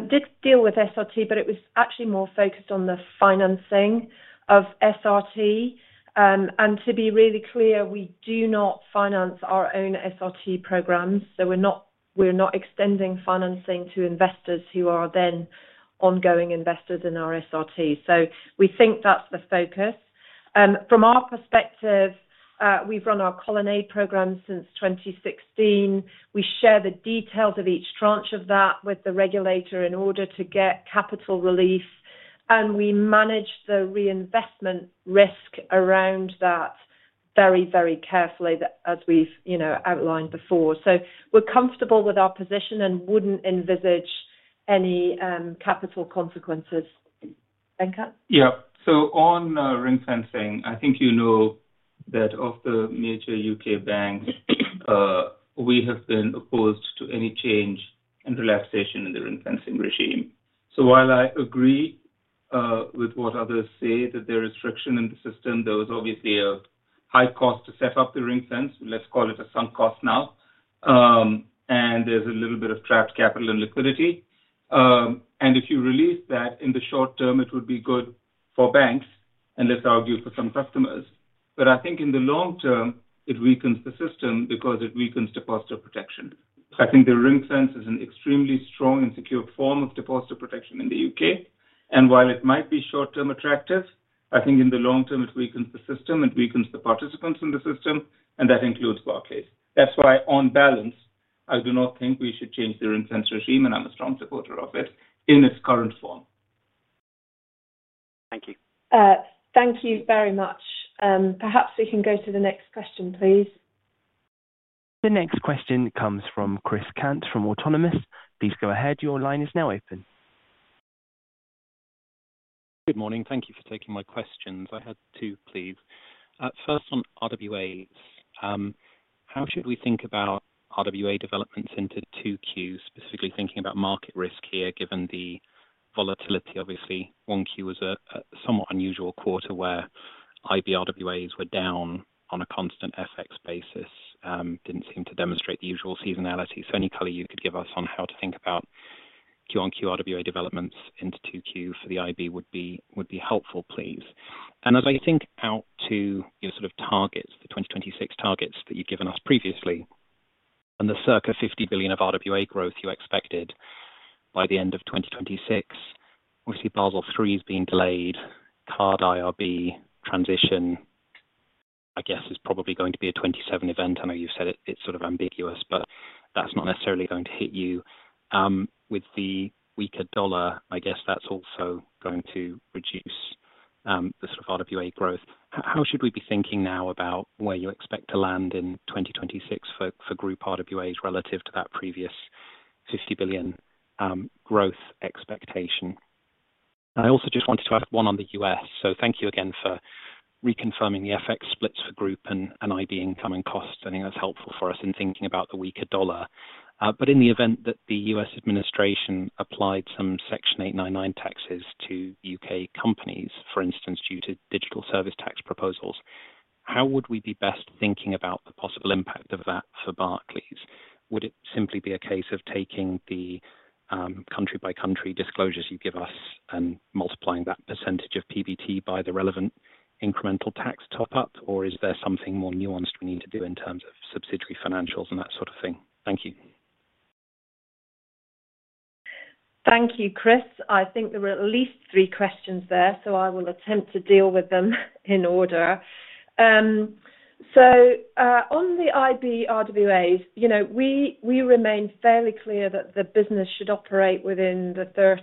did deal with SRT, but it was actually more focused on the financing of SRT. To be really clear, we do not finance our own SRT programs. We're not extending financing to investors who are then ongoing investors in our SRT. We think that's the focus. From our perspective, we've run our Colonnade program since 2016. We share the details of each tranche of that with the regulator in order to get capital relief, and we manage the reinvestment risk around that very, very carefully, as we've outlined before. We are comfortable with our position and would not envisage any capital consequences. Venkat? Yeah. On ring-fencing, I think you know that of the major U.K. banks, we have been opposed to any change and relaxation in the ring-fencing regime. While I agree with what others say that there is friction in the system, there was obviously a high cost to set up the ring-fence. Let's call it a sunk cost now. There is a little bit of trapped capital and liquidity. If you release that in the short term, it would be good for banks, and let's argue for some customers. I think in the long term, it weakens the system because it weakens depositor protection. I think the ring-fence is an extremely strong and secure form of depositor protection in the U.K. While it might be short-term attractive, I think in the long term, it weakens the system. It weakens the participants in the system, and that includes Barclays. That is why, on balance, I do not think we should change the ring-fence regime, and I am a strong supporter of it in its current form. Thank you. Thank you very much. Perhaps we can go to the next question, please. The next question comes from Chris Kent from Autonomous. Please go ahead. Your line is now open. Good morning. Thank you for taking my questions. I had two, please. First, on RWAs, how should we think about RWA developments into two Qs, specifically thinking about market risk here, given the volatility, obviously? One Q was a somewhat unusual quarter where IB RWAs were down on a constant FX basis. Did not seem to demonstrate the usual seasonality. Any color you could give us on how to think about Q1 QRWA developments into two Qs for the IB would be helpful, please. As I think out to your sort of targets, the 2026 targets that you have given us previously, and the circa 50 billion of RWA growth you expected by the end of 2026, obviously, Basel III has been delayed. Card IRB transition, I guess, is probably going to be a 2027 event. I know you have said it is sort of ambiguous, but that is not necessarily going to hit you. With the weaker dollar, I guess that's also going to reduce the sort of RWA growth. How should we be thinking now about where you expect to land in 2026 for Group RWAs relative to that previous 50 billion growth expectation? I also just wanted to ask one on the U.S. Thank you again for reconfirming the FX splits for Group and IB income and costs. I think that's helpful for us in thinking about the weaker dollar. In the event that the U.S. administration applied some Section 899 taxes to U.K. companies, for instance, due to digital service tax proposals, how would we be best thinking about the possible impact of that for Barclays? Would it simply be a case of taking the country-by-country disclosures you give us and multiplying that % of PBT by the relevant incremental tax top-up, or is there something more nuanced we need to do in terms of subsidiary financials and that sort of thing? Thank you. Thank you, Chris. I think there were at least three questions there, so I will attempt to deal with them in order. On the IB RWAs, we remain fairly clear that the business should operate within the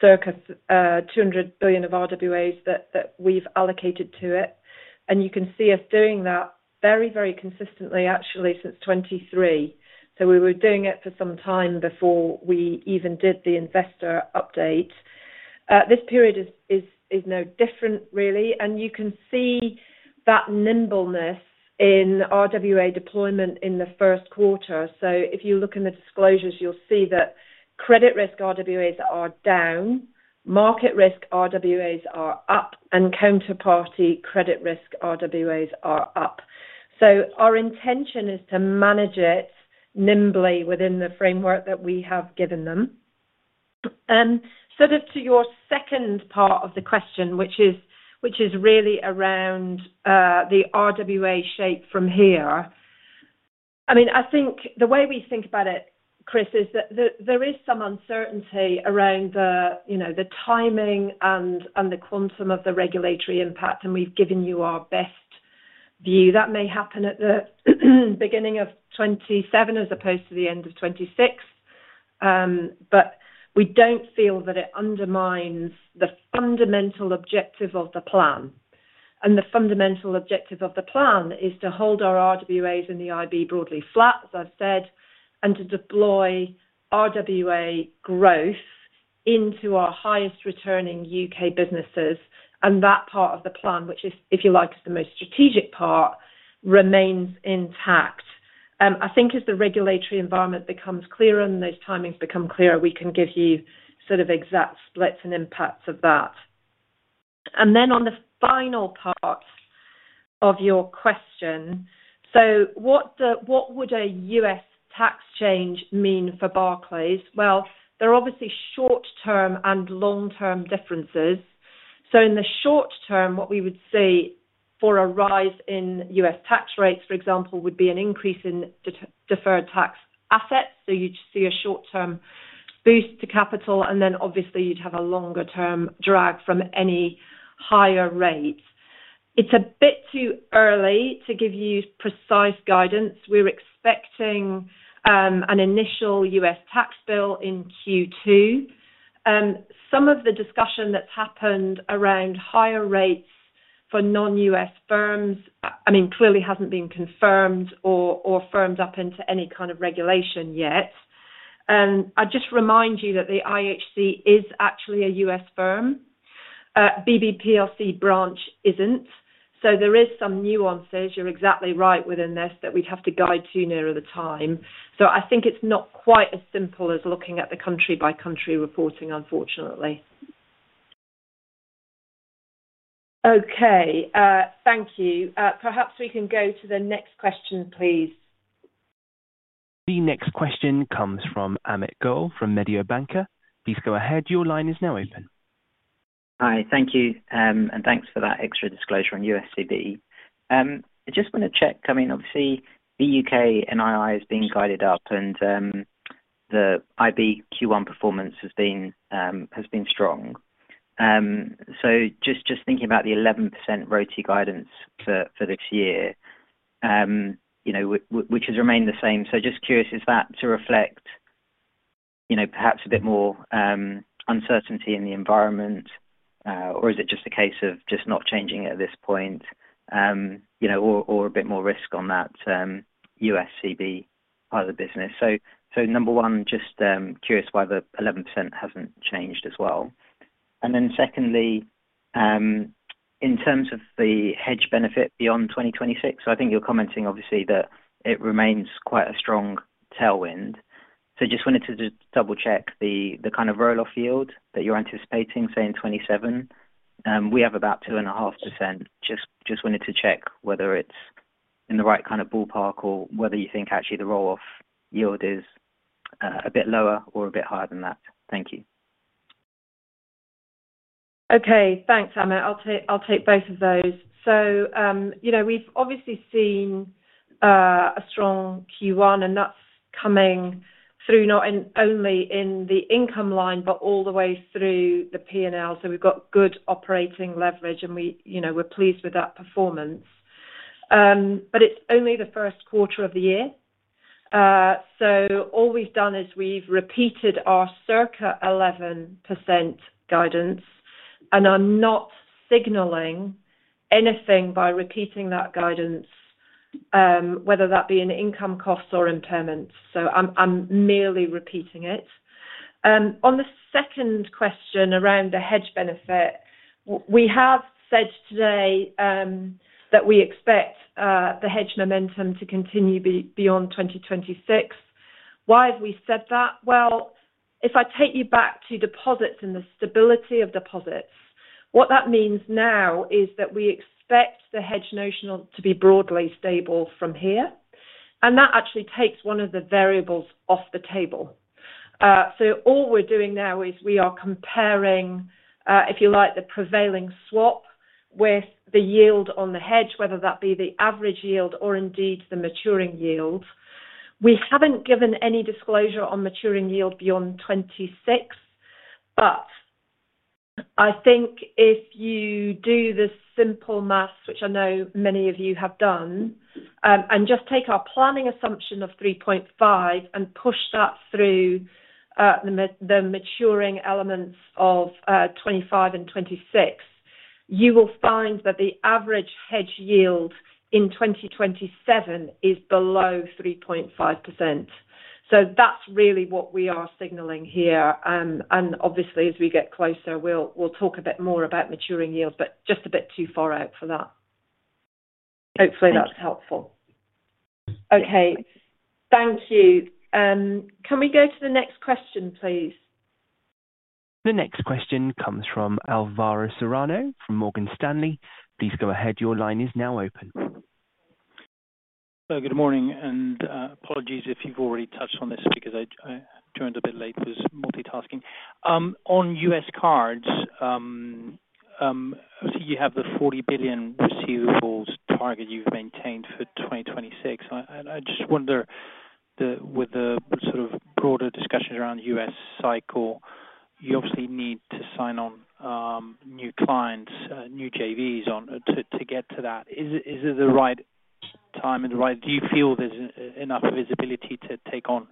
circa 200 billion of RWAs that we've allocated to it. You can see us doing that very, very consistently, actually, since 2023. We were doing it for some time before we even did the investor update. This period is no different, really. You can see that nimbleness in RWA deployment in the first quarter. If you look in the disclosures, you'll see that credit risk RWAs are down, market risk RWAs are up, and counterparty credit risk RWAs are up. Our intention is to manage it nimbly within the framework that we have given them. Sort of to your second part of the question, which is really around the RWA shape from here, I mean, I think the way we think about it, Chris, is that there is some uncertainty around the timing and the quantum of the regulatory impact, and we've given you our best view. That may happen at the beginning of 2027 as opposed to the end of 2026, but we don't feel that it undermines the fundamental objective of the plan. The fundamental objective of the plan is to hold our RWAs and the IB broadly flat, as I've said, and to deploy RWA growth into our highest returning U.K. businesses. That part of the plan, which is, if you like, the most strategic part, remains intact. I think as the regulatory environment becomes clearer and those timings become clearer, we can give you sort of exact splits and impacts of that. On the final part of your question, what would a U.S. tax change mean for Barclays? There are obviously short-term and long-term differences. In the short term, what we would see for a rise in U.S. tax rates, for example, would be an increase in deferred tax assets. You would see a short-term boost to capital, and then obviously you would have a longer-term drag from any higher rate. It's a bit too early to give you precise guidance. We're expecting an initial U.S. tax bill in Q2. Some of the discussion that's happened around higher rates for non-U.S. firms, I mean, clearly hasn't been confirmed or firmed up into any kind of regulation yet. I just remind you that the IHC is actually a U.S. firm. BBPLC branch isn't. There is some nuances, you're exactly right, within this that we'd have to guide to nearer the time. I think it's not quite as simple as looking at the country-by-country reporting, unfortunately. Okay. Thank you. Perhaps we can go to the next question, please. The next question comes from Amit Goel from Mediobanco. Please go ahead. Your line is now open. Hi. Thank you. And thanks for that extra disclosure on USCB. I just want to check. I mean, obviously, the U.K. NII has been guided up, and the IB Q1 performance has been strong. Just thinking about the 11% ROTE guidance for this year, which has remained the same, just curious, is that to reflect perhaps a bit more uncertainty in the environment, or is it just a case of just not changing it at this point, or a bit more risk on that USCB part of the business? Number one, just curious why the 11% hasn't changed as well. Secondly, in terms of the hedge benefit beyond 2026, I think you're commenting, obviously, that it remains quite a strong tailwind. Just wanted to double-check the kind of rolloff yield that you're anticipating, say, in 2027. We have about 2.5%. Just wanted to check whether it's in the right kind of ballpark or whether you think actually the rolloff yield is a bit lower or a bit higher than that. Thank you. Okay. Thanks, Amit. I'll take both of those. We've obviously seen a strong Q1, and that's coming through not only in the income line but all the way through the P&L. We've got good operating leverage, and we're pleased with that performance. It's only the first quarter of the year. All we've done is we've repeated our circa 11% guidance and are not signaling anything by repeating that guidance, whether that be in income costs or impairments. I'm merely repeating it. On the second question around the hedge benefit, we have said today that we expect the hedge momentum to continue beyond 2026. Why have we said that? If I take you back to deposits and the stability of deposits, what that means now is that we expect the hedge notional to be broadly stable from here. That actually takes one of the variables off the table. All we are doing now is we are comparing, if you like, the prevailing swap with the yield on the hedge, whether that be the average yield or indeed the maturing yield. We have not given any disclosure on maturing yield beyond 2026, but I think if you do the simple maths, which I know many of you have done, and just take our planning assumption of 3.5 and push that through the maturing elements of 2025 and 2026, you will find that the average hedge yield in 2027 is below 3.5%. That is really what we are signaling here. Obviously, as we get closer, we'll talk a bit more about maturing yield, but just a bit too far out for that. Hopefully, that's helpful. Okay. Thank you. Can we go to the next question, please? The next question comes from Alvaro Serrano from Morgan Stanley. Please go ahead. Your line is now open. Hello. Good morning. Apologies if you've already touched on this because I joined a bit late with multitasking. On US cards, obviously, you have the 40 billion receivables target you've maintained for 2026. I just wonder, with the sort of broader discussions around the US cycle, you obviously need to sign on new clients, new JVs to get to that. Is it the right time and the right? Do you feel there's enough visibility to take on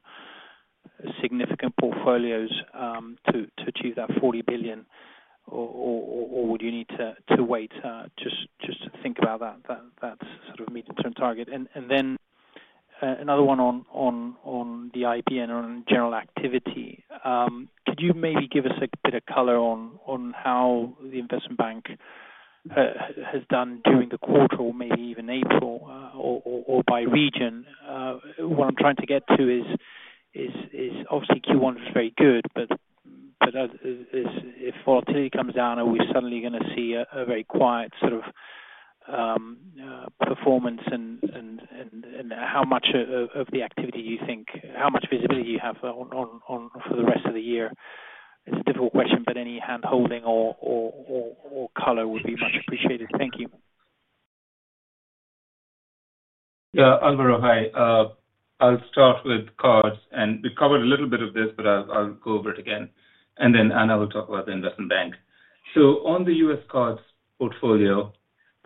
significant portfolios to achieve that 40 billion, or would you need to wait just to think about that sort of medium-term target? Another one on the IB and on general activity. Could you maybe give us a bit of color on how the investment bank has done during the quarter, or maybe even April, or by region? What I'm trying to get to is, obviously, Q1 was very good, but if volatility comes down, are we suddenly going to see a very quiet sort of performance? How much of the activity do you think, how much visibility do you have for the rest of the year? It's a difficult question, but any hand-holding or color would be much appreciated. Thank you. Yeah. Alvaro, hi. I'll start with cards, and we covered a little bit of this, but I'll go over it again. Anna will talk about the investment bank. On the US cards portfolio,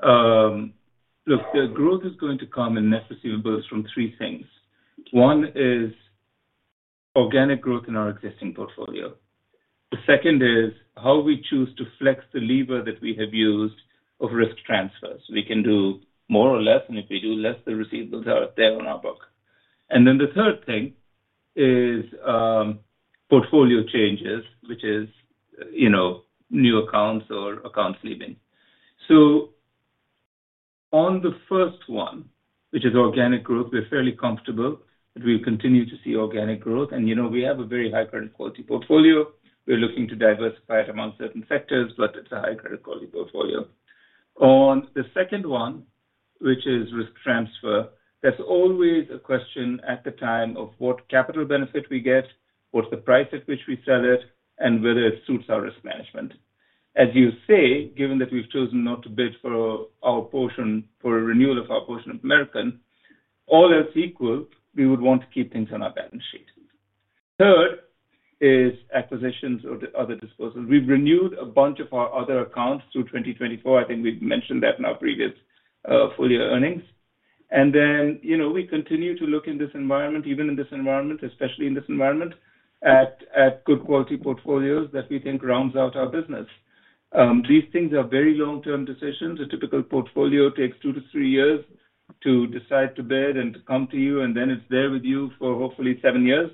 look, the growth is going to come in net receivables from three things. One is organic growth in our existing portfolio. The second is how we choose to flex the lever that we have used of risk transfers. We can do more or less, and if we do less, the receivables are there on our book. The third thing is portfolio changes, which is new accounts or accounts leaving. On the first one, which is organic growth, we're fairly comfortable that we'll continue to see organic growth. We have a very high-credit quality portfolio. We're looking to diversify it among certain sectors, but it's a high-credit quality portfolio. On the second one, which is risk transfer, there's always a question at the time of what capital benefit we get, what's the price at which we sell it, and whether it suits our risk management. As you say, given that we've chosen not to bid for our portion for renewal of our portion of American, all else equal, we would want to keep things on our balance sheet. Third is acquisitions or other disposals. We've renewed a bunch of our other accounts through 2024. I think we've mentioned that in our previous full-year earnings. We continue to look in this environment, even in this environment, especially in this environment, at good quality portfolios that we think rounds out our business. These things are very long-term decisions. A typical portfolio takes two to three years to decide to bid and to come to you, and then it's there with you for hopefully seven years.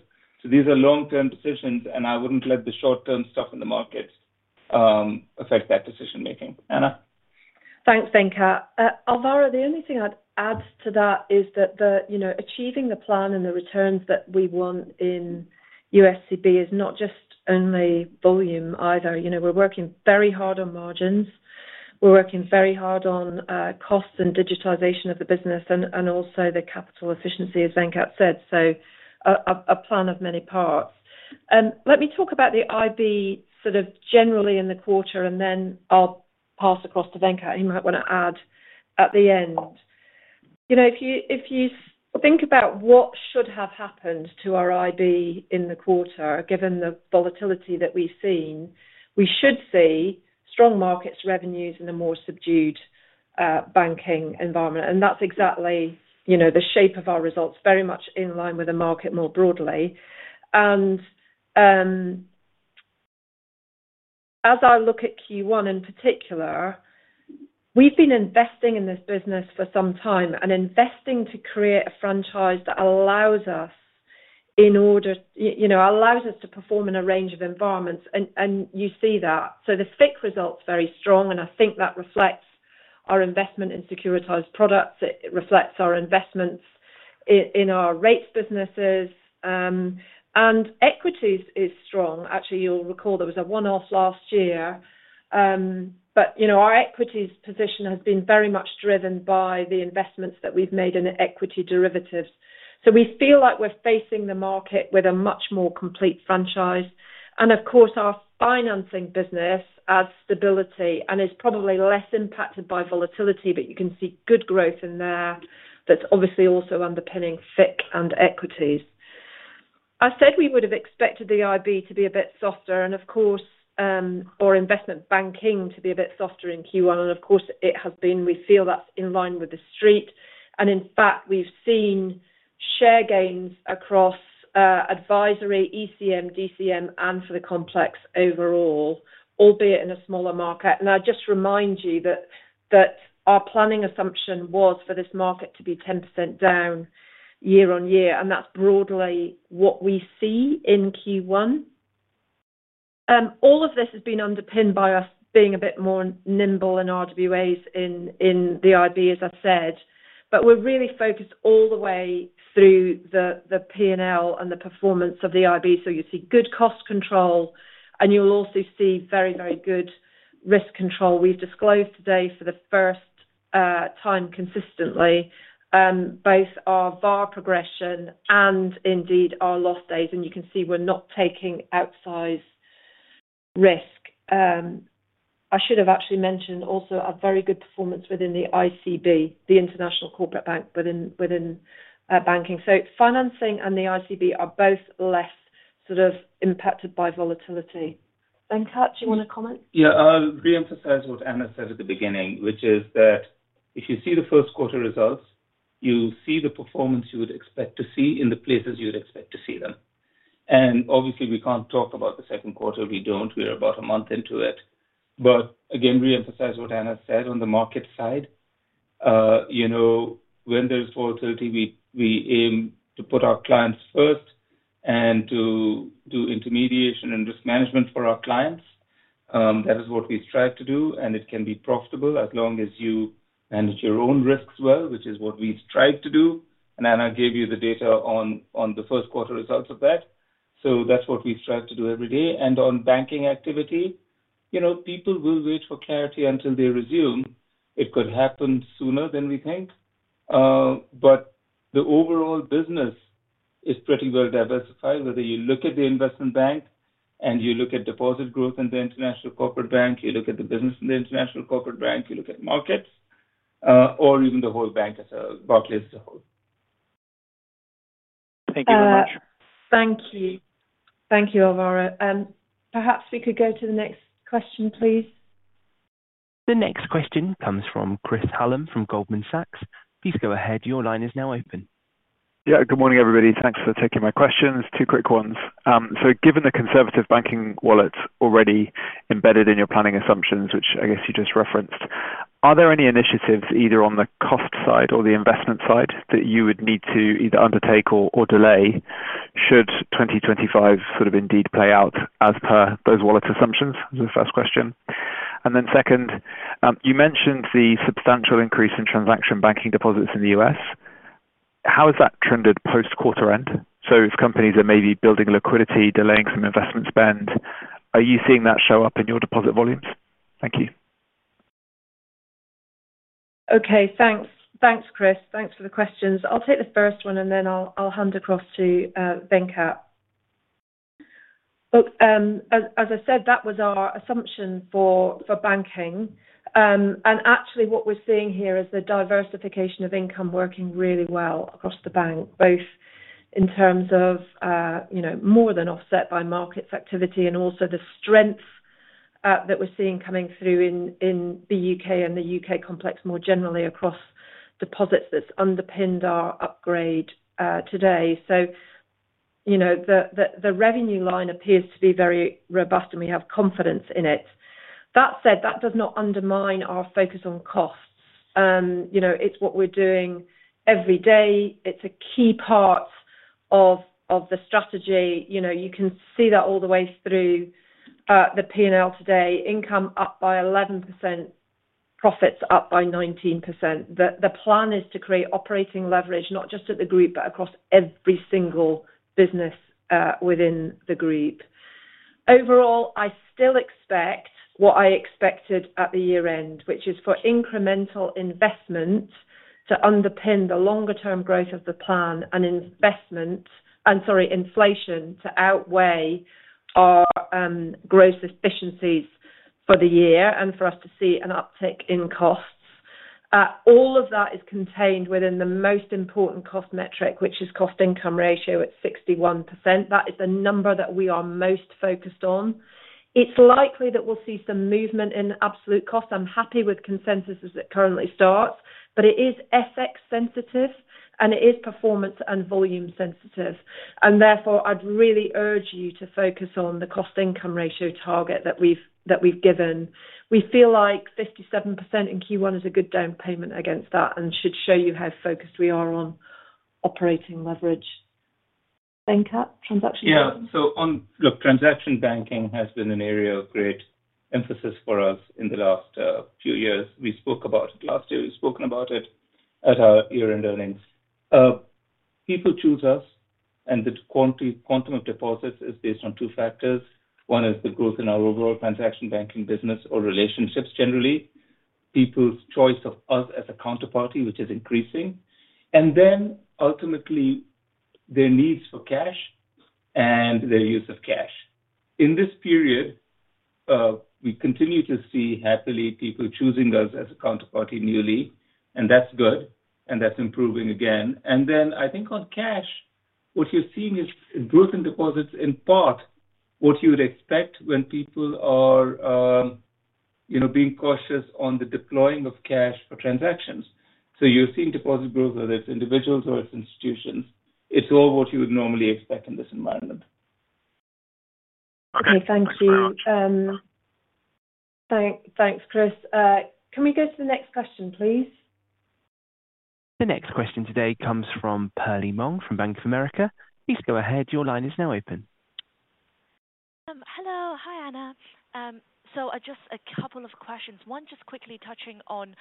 These are long-term decisions, and I wouldn't let the short-term stuff in the market affect that decision-making. Anna. Thanks, Venkat. Alvaro, the only thing I'd add to that is that achieving the plan and the returns that we want in USCB is not just only volume either. We're working very hard on margins. We're working very hard on costs and digitization of the business and also the capital efficiency, as Venkat said. A plan of many parts. Let me talk about the IB sort of generally in the quarter, and then I'll pass across to Venkat. He might want to add at the end. If you think about what should have happened to our IB in the quarter, given the volatility that we've seen, we should see strong markets, revenues, and a more subdued banking environment. That's exactly the shape of our results, very much in line with the market more broadly. As I look at Q1 in particular, we've been investing in this business for some time and investing to create a franchise that allows us to perform in a range of environments. You see that. The FICC results are very strong, and I think that reflects our investment in securitized products. It reflects our investments in our rates businesses. Equities is strong. Actually, you'll recall there was a one-off last year. Our equities position has been very much driven by the investments that we've made in equity derivatives. We feel like we're facing the market with a much more complete franchise. Of course, our financing business adds stability and is probably less impacted by volatility, but you can see good growth in there that's obviously also underpinning FICC and equities. I said we would have expected the IB to be a bit softer and, of course, our investment banking to be a bit softer in Q1. Of course, it has been. We feel that's in line with the street. In fact, we've seen share gains across advisory, ECM, DCM, and for the complex overall, albeit in a smaller market. I just remind you that our planning assumption was for this market to be 10% down year on year, and that's broadly what we see in Q1. All of this has been underpinned by us being a bit more nimble in our RWAs in the IB, as I said. We are really focused all the way through the P&L and the performance of the IB. You see good cost control, and you will also see very, very good risk control. We have disclosed today for the first time consistently both our VAR progression and indeed our loss days. You can see we are not taking outsize risk. I should have actually mentioned also a very good performance within the ICB, the International Corporate Bank within banking. Financing and the ICB are both less sort of impacted by volatility. Venkat, do you want to comment? Yeah. I'll re-emphasize what Anna said at the beginning, which is that if you see the first quarter results, you see the performance you would expect to see in the places you would expect to see them. Obviously, we can't talk about the second quarter. We don't. We're about a month into it. Again, re-emphasize what Anna said on the market side. When there's volatility, we aim to put our clients first and to do intermediation and risk management for our clients. That is what we strive to do, and it can be profitable as long as you manage your own risks well, which is what we strive to do. Anna gave you the data on the first quarter results of that. That's what we strive to do every day. On banking activity, people will wait for clarity until they resume. It could happen sooner than we think. The overall business is pretty well diversified. Whether you look at the investment bank and you look at deposit growth in the International Corporate Bank, you look at the business in the International Corporate Bank, you look at markets, or even the whole bank as broadly as a whole. Thank you very much. Thank you. Thank you, Alvaro. Perhaps we could go to the next question, please. The next question comes from Chris Hallam from Goldman Sachs. Please go ahead. Your line is now open. Yeah. Good morning, everybody. Thanks for taking my questions. Two quick ones. Given the conservative banking wallets already embedded in your planning assumptions, which I guess you just referenced, are there any initiatives either on the cost side or the investment side that you would need to either undertake or delay should 2025 sort of indeed play out as per those wallet assumptions? That was the first question. Second, you mentioned the substantial increase in transaction banking deposits in the U.S. How has that trended post-quarter end? If companies are maybe building liquidity, delaying some investment spend, are you seeing that show up in your deposit volumes? Thank you. Okay. Thanks. Thanks, Chris. Thanks for the questions. I'll take the first one, and then I'll hand across to Venkat. Look, as I said, that was our assumption for banking. Actually, what we're seeing here is the diversification of income working really well across the bank, both in terms of more than offset by markets activity and also the strength that we're seeing coming through in the U.K. and the U.K. complex more generally across deposits that's underpinned our upgrade today. The revenue line appears to be very robust, and we have confidence in it. That said, that does not undermine our focus on costs. It's what we're doing every day. It's a key part of the strategy. You can see that all the way through the P&L today. Income up by 11%. Profits up by 19%. The plan is to create operating leverage, not just at the group, but across every single business within the group. Overall, I still expect what I expected at the year-end, which is for incremental investment to underpin the longer-term growth of the plan and investment and, sorry, inflation to outweigh our gross efficiencies for the year and for us to see an uptick in costs. All of that is contained within the most important cost metric, which is cost-income ratio at 61%. That is the number that we are most focused on. It's likely that we'll see some movement in absolute costs. I'm happy with consensus as it currently starts, but it is FX-sensitive, and it is performance and volume-sensitive. Therefore, I'd really urge you to focus on the cost-income ratio target that we've given. We feel like 57% in Q1 is a good down payment against that and should show you how focused we are on operating leverage. Venkat, transaction banking? Yeah. Look, transaction banking has been an area of great emphasis for us in the last few years. We spoke about it last year. We have spoken about it at our year-end earnings. People choose us, and the quantum of deposits is based on two factors. One is the growth in our overall transaction banking business or relationships generally, people's choice of us as a counterparty, which is increasing. Ultimately, their needs for cash and their use of cash. In this period, we continue to see happily people choosing us as a counterparty newly, and that is good, and that is improving again. I think on cash, what you are seeing is growth in deposits, in part, what you would expect when people are being cautious on the deploying of cash for transactions. You are seeing deposit growth, whether it is individuals or it is institutions. It's all what you would normally expect in this environment. Okay. Thank you. Thanks, Chris. Can we go to the next question, please? The next question today comes from Perlie Mong from Bank of America. Please go ahead. Your line is now open. Hello. Hi, Anna. So just a couple of questions. One, just quickly touching on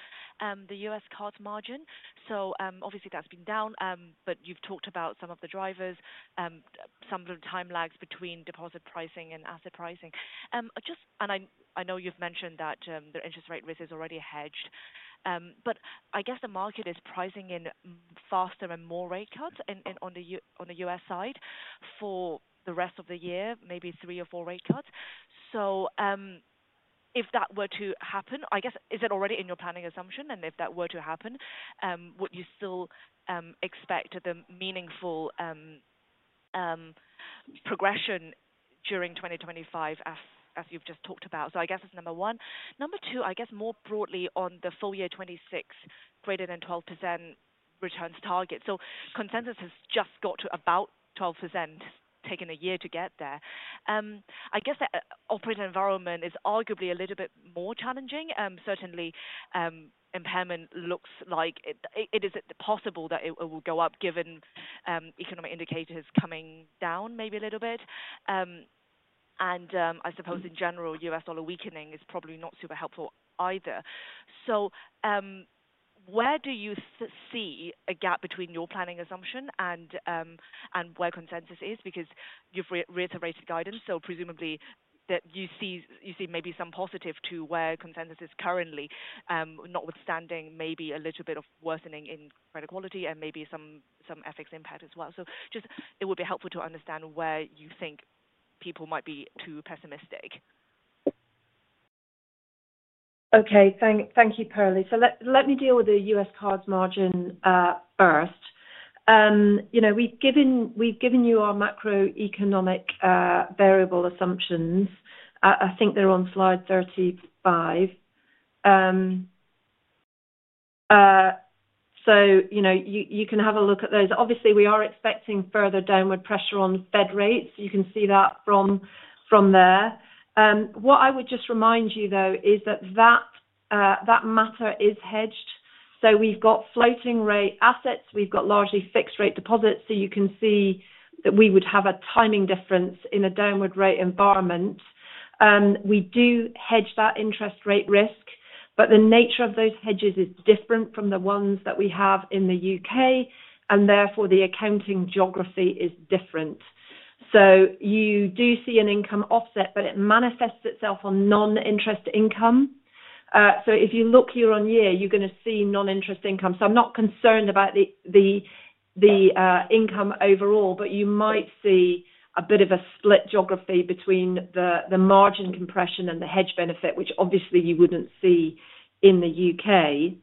the US card margin. Obviously, that's been down, but you've talked about some of the drivers, some of the time lags between deposit pricing and asset pricing. I know you've mentioned that the interest rate risk is already hedged. I guess the market is pricing in faster and more rate cuts on the US side for the rest of the year, maybe three or four rate cuts. If that were to happen, I guess, is it already in your planning assumption? If that were to happen, would you still expect the meaningful progression during 2025, as you've just talked about? I guess that's number one. Number two, I guess, more broadly on the full-year 2026, greater than 12% returns target. Consensus has just got to about 12%, taking a year to get there. I guess the operating environment is arguably a little bit more challenging. Certainly, impairment looks like it is possible that it will go up given economic indicators coming down maybe a little bit. I suppose, in general, US dollar weakening is probably not super helpful either. Where do you see a gap between your planning assumption and where consensus is? Because you've reiterated guidance. Presumably, you see maybe some positive to where consensus is currently, notwithstanding maybe a little bit of worsening in credit quality and maybe some FX impact as well. It would be helpful to understand where you think people might be too pessimistic. Okay. Thank you, Perlie. Let me deal with the US card margin first. We've given you our macroeconomic variable assumptions. I think they're on slide 35. You can have a look at those. Obviously, we are expecting further downward pressure on Fed rates. You can see that from there. What I would just remind you, though, is that that matter is hedged. We've got floating-rate assets. We've got largely fixed-rate deposits. You can see that we would have a timing difference in a downward rate environment. We do hedge that interest rate risk, but the nature of those hedges is different from the ones that we have in the U.K., and therefore, the accounting geography is different. You do see an income offset, but it manifests itself on non-interest income. If you look year on year, you're going to see non-interest income. I'm not concerned about the income overall, but you might see a bit of a split geography between the margin compression and the hedge benefit, which obviously you wouldn't see in the U.K.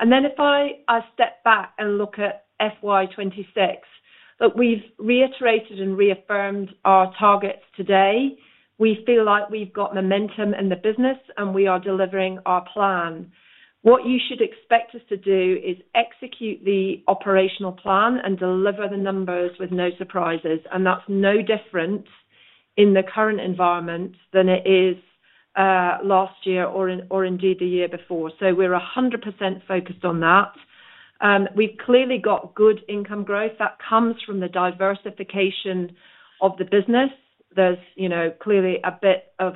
If I step back and look at FY2026, we've reiterated and reaffirmed our targets today. We feel like we've got momentum in the business, and we are delivering our plan. What you should expect us to do is execute the operational plan and deliver the numbers with no surprises. That's no different in the current environment than it is last year or indeed the year before. We're 100% focused on that. We've clearly got good income growth. That comes from the diversification of the business. There's clearly a bit of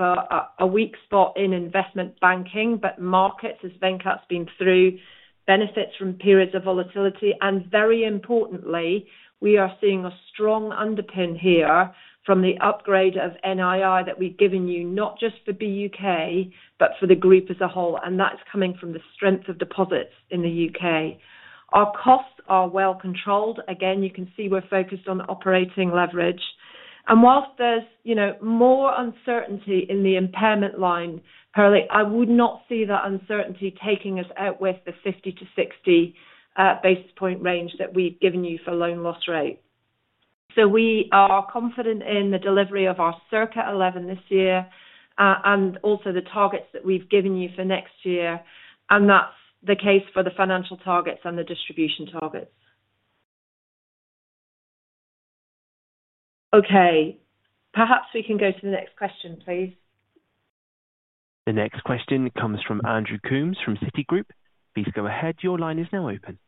a weak spot in investment banking, but markets, as Venkat's been through, benefit from periods of volatility. Very importantly, we are seeing a strong underpin here from the upgrade of NII that we've given you, not just for BUK, but for the group as a whole. That's coming from the strength of deposits in the U.K. Our costs are well controlled. Again, you can see we're focused on operating leverage. Whilst there's more uncertainty in the impairment line, Perlie, I would not see that uncertainty taking us out with the 50-60 basis point range that we've given you for loan loss rate. We are confident in the delivery of our circa 11 this year and also the targets that we've given you for next year. That's the case for the financial targets and the distribution targets. Okay. Perhaps we can go to the next question, please. The next question comes from Andrew Coombs from Citigroup. Please go ahead. Your line is now open.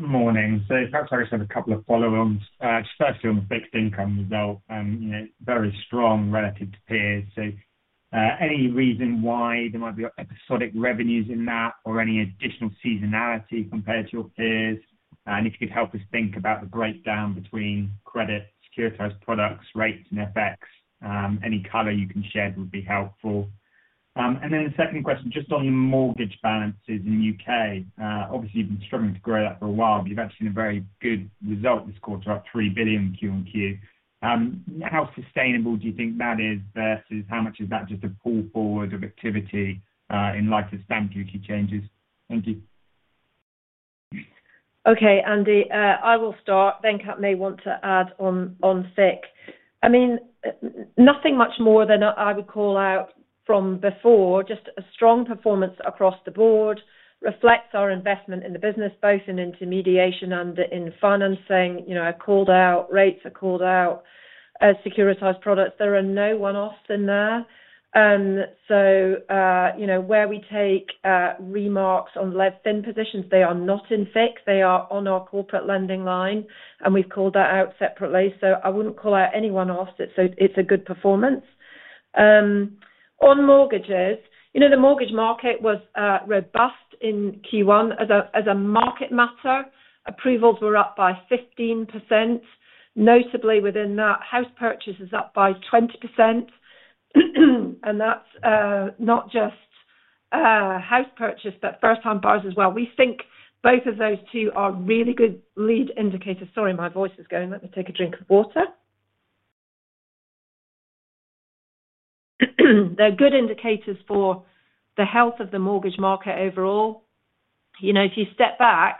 Morning. Perhaps I just have a couple of follow-ons, especially on the fixed income result. Very strong relative to peers. Any reason why there might be episodic revenues in that or any additional seasonality compared to your peers? If you could help us think about the breakdown between credit, securitized products, rates, and FX, any color you can shed would be helpful. The second question, just on the mortgage balances in the U.K. Obviously, you've been struggling to grow that for a while, but you've actually seen a very good result this quarter, up 3 billion Q-on-Q. How sustainable do you think that is versus how much is that just a pull forward of activity in light of stamp duty changes? Thank you. Okay. Andy, I will start. Venkat may want to add on FICC. I mean, nothing much more than I would call out from before. Just a strong performance across the board reflects our investment in the business, both in intermediation and in financing. Rates are called out as securitized products. There are no one-offs in there. Where we take remarks on lev-fin positions, they are not in FICC. They are on our corporate lending line, and we've called that out separately. I would not call out any one-offs. It's a good performance. On mortgages, the mortgage market was robust in Q1 as a market matter. Approvals were up by 15%. Notably, within that, house purchase is up by 20%. That's not just house purchase, but first-time buyers as well. We think both of those two are really good lead indicators. Sorry, my voice is going. Let me take a drink of water. They're good indicators for the health of the mortgage market overall. If you step back,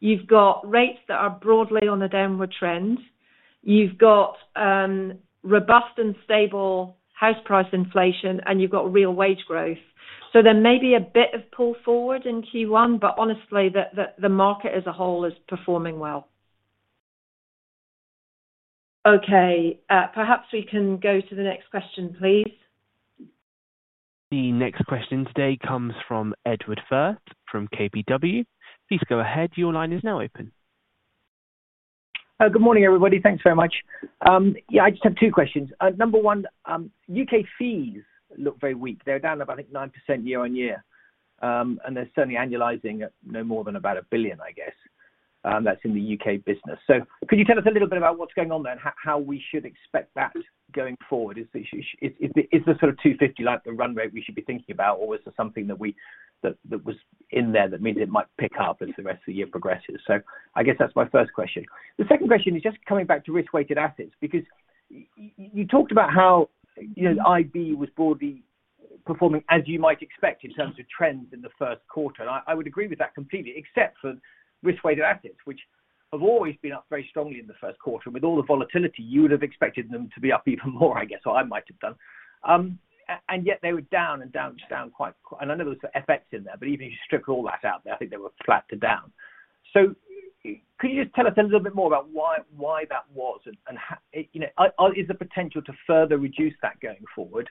you've got rates that are broadly on the downward trend. You've got robust and stable house price inflation, and you've got real wage growth. There may be a bit of pull forward in Q1, but honestly, the market as a whole is performing well. Okay. Perhaps we can go to the next question, please. The next question today comes from Edward Firth from KBW. Please go ahead. Your line is now open. Good morning, everybody. Thanks very much. Yeah, I just have two questions. Number one, U.K. fees look very weak. They're down about, I think, 9% year on year. They're certainly annualizing at no more than about 1 billion, I guess, that's in the U.K. business. Could you tell us a little bit about what's going on there and how we should expect that going forward? Is the sort of 250 million like the run rate we should be thinking about, or is there something that was in there that means it might pick up as the rest of the year progresses? I guess that's my first question. The second question is just coming back to risk-weighted assets because you talked about how IB was broadly performing, as you might expect, in terms of trends in the first quarter. I would agree with that completely, except for risk-weighted assets, which have always been up very strongly in the first quarter. With all the volatility, you would have expected them to be up even more, I guess, or I might have done. Yet, they were down and down, down quite quickly. I know there was FX in there, but even if you stripped all that out there, I think they were flat to down. Could you just tell us a little bit more about why that was and is there potential to further reduce that going forward?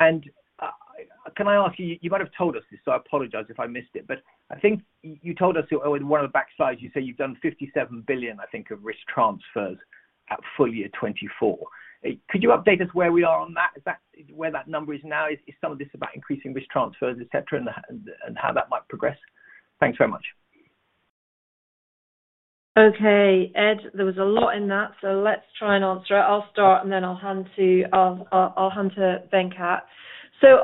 Can I ask you, you might have told us this, so I apologize if I missed it, but I think you told us one of the backslides, you say you've done 57 billion, I think, of risk transfers at full year 2024. Could you update us where we are on that? Is that where that number is now? Is some of this about increasing risk transfers, etc., and how that might progress? Thanks very much. Okay. Ed, there was a lot in that, so let's try and answer it. I'll start, and then I'll hand to Venkat.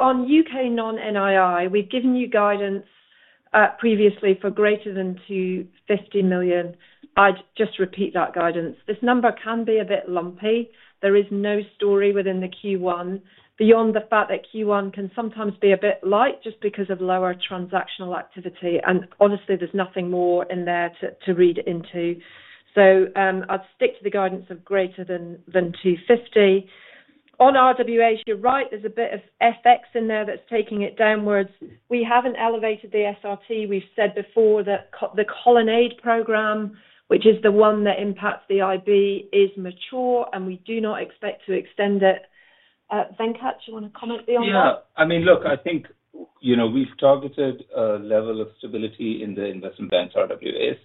On U.K. non-NII, we've given you guidance previously for greater than 250 million. I'd just repeat that guidance. This number can be a bit lumpy. There is no story within the Q1 beyond the fact that Q1 can sometimes be a bit light just because of lower transactional activity. Honestly, there's nothing more in there to read into. I'd stick to the guidance of greater than 250 million. On RWAs, you're right. There's a bit of FX in there that's taking it downwards. We haven't elevated the SRT. We've said before that the Colonnade program, which is the one that impacts the IB, is mature, and we do not expect to extend it. Venkat, do you want to comment beyond that? Yeah. I mean, look, I think we've targeted a level of stability in the investment bank's RWAs.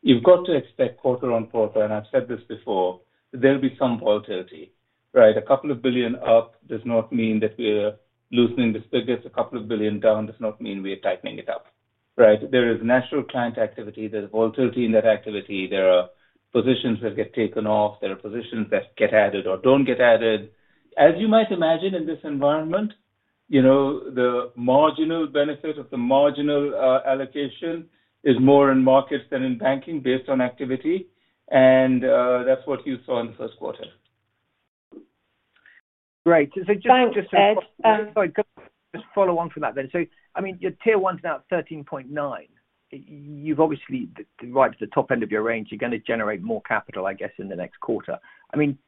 You've got to expect quarter on quarter, and I've said this before, there'll be some volatility, right? A couple of billion up does not mean that we're loosening the spigots. A couple of billion down does not mean we're tightening it up, right? There is natural client activity. There's volatility in that activity. There are positions that get taken off. There are positions that get added or don't get added. As you might imagine in this environment, the marginal benefit of the marginal allocation is more in markets than in banking based on activity. That's what you saw in the first quarter. Right. Just to follow on from that then. I mean, your tier one's now 13.9. You've obviously arrived at the top end of your range. You're going to generate more capital, I guess, in the next quarter. I mean,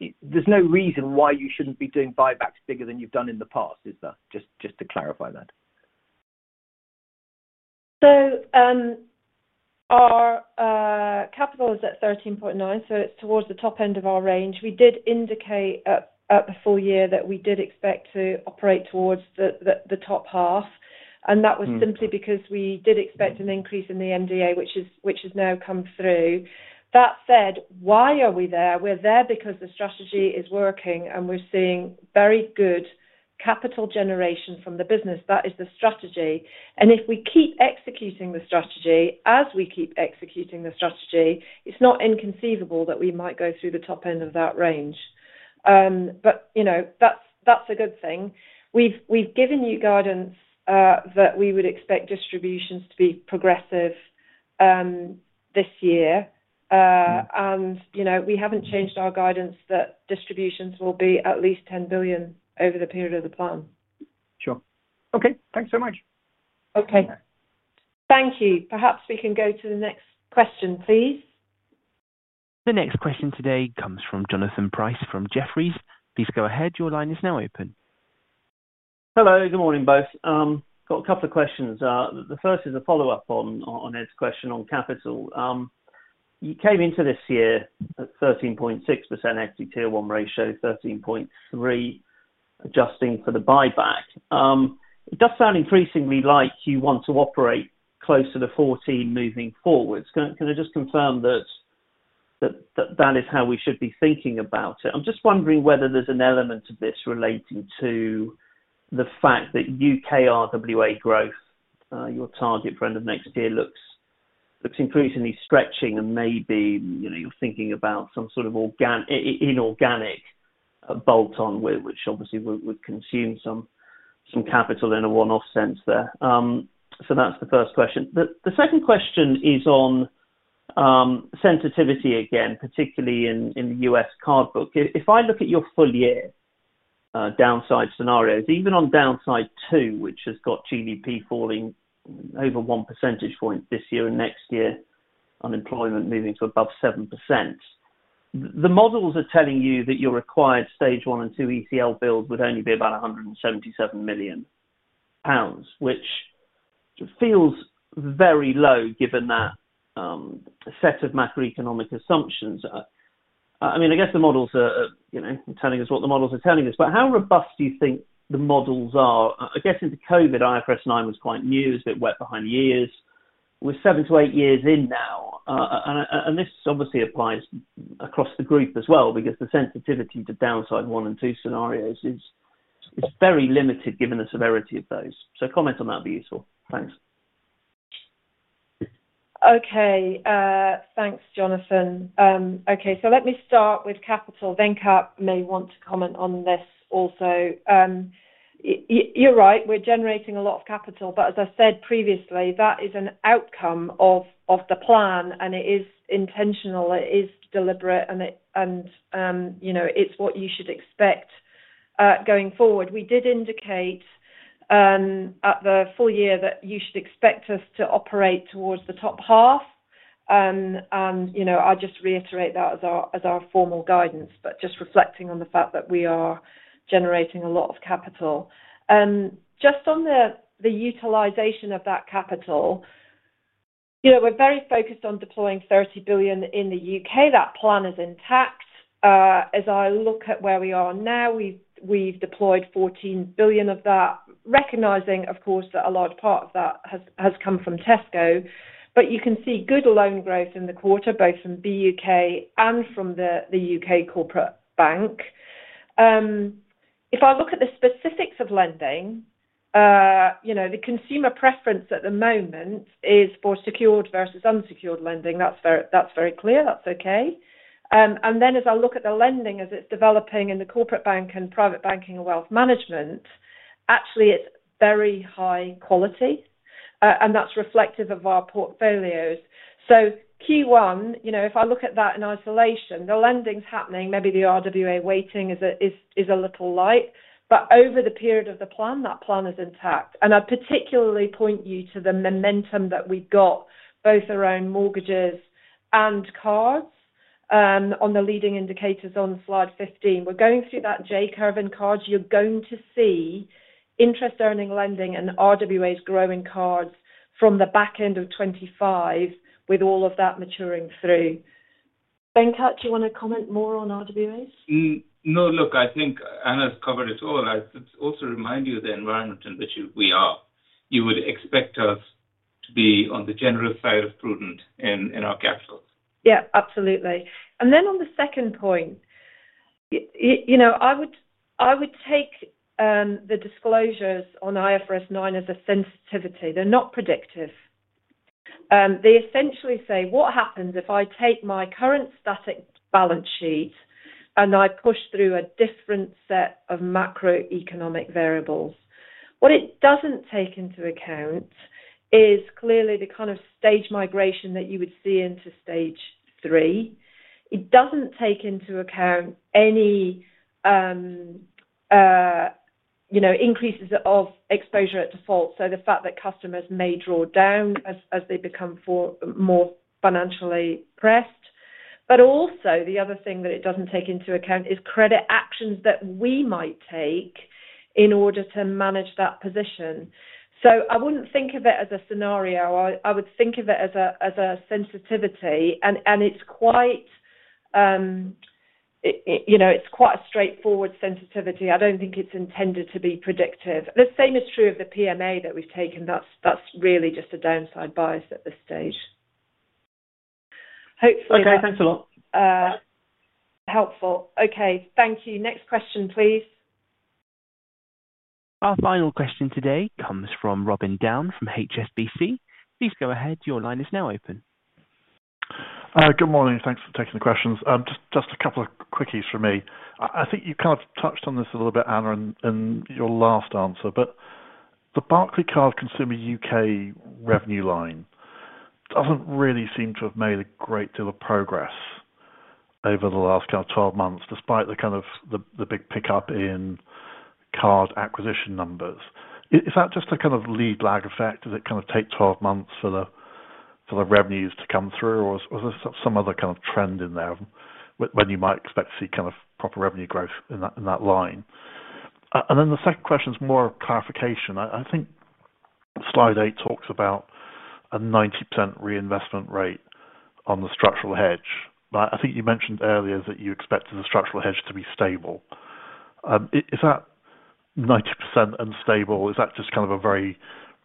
there's no reason why you shouldn't be doing buybacks bigger than you've done in the past, is there? Just to clarify that. Our capital is at 13.9, so it's towards the top end of our range. We did indicate at the full year that we did expect to operate towards the top half. That was simply because we did expect an increase in the MDA, which has now come through. That said, why are we there? We're there because the strategy is working, and we're seeing very good capital generation from the business. That is the strategy. If we keep executing the strategy, as we keep executing the strategy, it's not inconceivable that we might go through the top end of that range. That's a good thing. We've given you guidance that we would expect distributions to be progressive this year. We haven't changed our guidance that distributions will be at least 10 billion over the period of the plan. Sure. Okay. Thanks so much. Okay. Thank you. Perhaps we can go to the next question, please. The next question today comes from Jonathan Pierce from Jefferies. Please go ahead. Your line is now open. Hello. Good morning, both. I've got a couple of questions. The first is a follow-up on Ed's question on capital. You came into this year at 13.6% equity tier one ratio, 13.3% adjusting for the buyback. It does sound increasingly like you want to operate closer to 14 moving forwards. Can I just confirm that that is how we should be thinking about it? I'm just wondering whether there's an element of this relating to the fact that U.K. RWA growth, your target for end of next year, looks increasingly stretching and maybe you're thinking about some sort of inorganic bolt-on, which obviously would consume some capital in a one-off sense there. That is the first question. The second question is on sensitivity again, particularly in the U.S. cardbook. If I look at your full year downside scenarios, even on downside two, which has got GDP falling over 1 percentage point this year and next year, unemployment moving to above 7%, the models are telling you that your required stage one and two ECL build would only be about 177 million pounds, which feels very low given that set of macroeconomic assumptions. I mean, I guess the models are telling us what the models are telling us. But how robust do you think the models are? I guess in COVID, IFRS 9 was quite new, was a bit wet behind the ears. We're seven to eight years in now. This obviously applies across the group as well because the sensitivity to downside one and two scenarios is very limited given the severity of those. Comments on that would be useful. Thanks. Okay. Thanks, Jonathan. Okay. Let me start with capital. Venkat may want to comment on this also. You're right. We're generating a lot of capital. As I said previously, that is an outcome of the plan, and it is intentional. It is deliberate, and it's what you should expect going forward. We did indicate at the full year that you should expect us to operate towards the top half. I just reiterate that as our formal guidance, just reflecting on the fact that we are generating a lot of capital. Just on the utilization of that capital, we're very focused on deploying 30 billion in the U.K. That plan is intact. As I look at where we are now, we've deployed 14 billion of that, recognizing, of course, that a large part of that has come from Tesco. You can see good loan growth in the quarter, both from BUK and from the U.K. corporate bank. If I look at the specifics of lending, the consumer preference at the moment is for secured versus unsecured lending. That's very clear. That's okay. As I look at the lending as it's developing in the corporate bank and private banking and wealth management, actually, it's very high quality, and that's reflective of our portfolios. Q1, if I look at that in isolation, the lending's happening. Maybe the RWA weighting is a little light. Over the period of the plan, that plan is intact. I'd particularly point you to the momentum that we've got both around mortgages and cards on the leading indicators on slide 15. We're going through that J curve and cards. You're going to see interest-earning lending and RWAs growing cards from the back end of 2025 with all of that maturing through. Venkat, do you want to comment more on RWAs? No, look, I think Anna's covered it all. I'd also remind you of the environment in which we are. You would expect us to be on the general side of prudent in our capital. Yeah, absolutely. On the second point, I would take the disclosures on IFRS 9 as a sensitivity. They're not predictive. They essentially say, "What happens if I take my current static balance sheet and I push through a different set of macroeconomic variables?" What it doesn't take into account is clearly the kind of stage migration that you would see into stage three. It does not take into account any increases of exposure at default, so the fact that customers may draw down as they become more financially pressed. Also, the other thing that it does not take into account is credit actions that we might take in order to manage that position. I would not think of it as a scenario. I would think of it as a sensitivity. It is quite a straightforward sensitivity. I do not think it is intended to be predictive. The same is true of the PMA that we have taken. That is really just a downside bias at this stage. Hopefully. Okay. Thanks a lot. Helpful. Okay. Thank you. Next question, please. Our final question today comes from Robin Down from HSBC. Please go ahead. Your line is now open. Good morning. Thanks for taking the questions. Just a couple of quickies from me. I think you kind of touched on this a little bit, Anna, in your last answer, but the Barclaycard Consumer UK revenue line does not really seem to have made a great deal of progress over the last kind of 12 months, despite the kind of big pickup in card acquisition numbers. Is that just a kind of lead lag effect? Does it kind of take 12 months for the revenues to come through, or is there some other kind of trend in there when you might expect to see kind of proper revenue growth in that line? The second question is more clarification. I think slide eight talks about a 90% reinvestment rate on the structural hedge. I think you mentioned earlier that you expected the structural hedge to be stable. Is that 90% unstable? Is that just kind of a very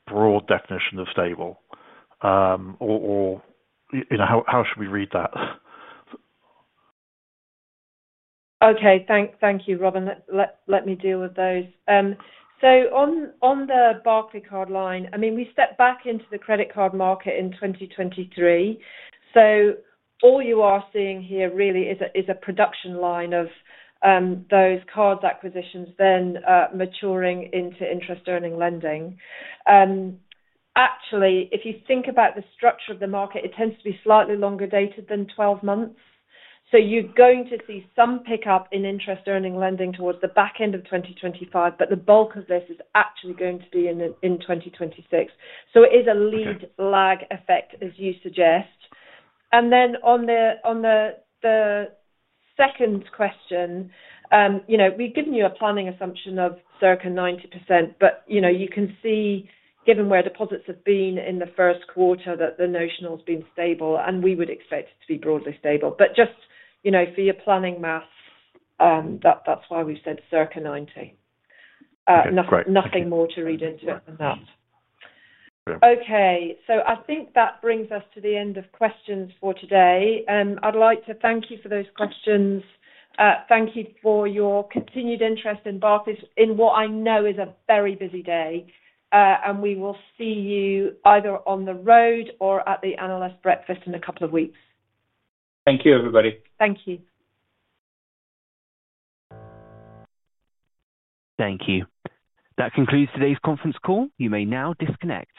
broad definition of stable, or how should we read that? Okay. Thank you, Robin. Let me deal with those. On the Barclaycard line, I mean, we stepped back into the credit card market in 2023. All you are seeing here really is a production line of those cards acquisitions then maturing into interest-earning lending. Actually, if you think about the structure of the market, it tends to be slightly longer dated than 12 months. You are going to see some pickup in interest-earning lending towards the back end of 2025, but the bulk of this is actually going to be in 2026. It is a lead lag effect, as you suggest. On the second question, we've given you a planning assumption of circa 90%, but you can see, given where deposits have been in the first quarter, that the notional's been stable, and we would expect it to be broadly stable. Just for your planning maths, that's why we've said circa 90. Nothing more to read into it than that. I think that brings us to the end of questions for today. I'd like to thank you for those questions. Thank you for your continued interest in Barclays in what I know is a very busy day. We will see you either on the road or at the analyst breakfast in a couple of weeks. Thank you, everybody. Thank you. Thank you. That concludes today's conference call. You may now disconnect.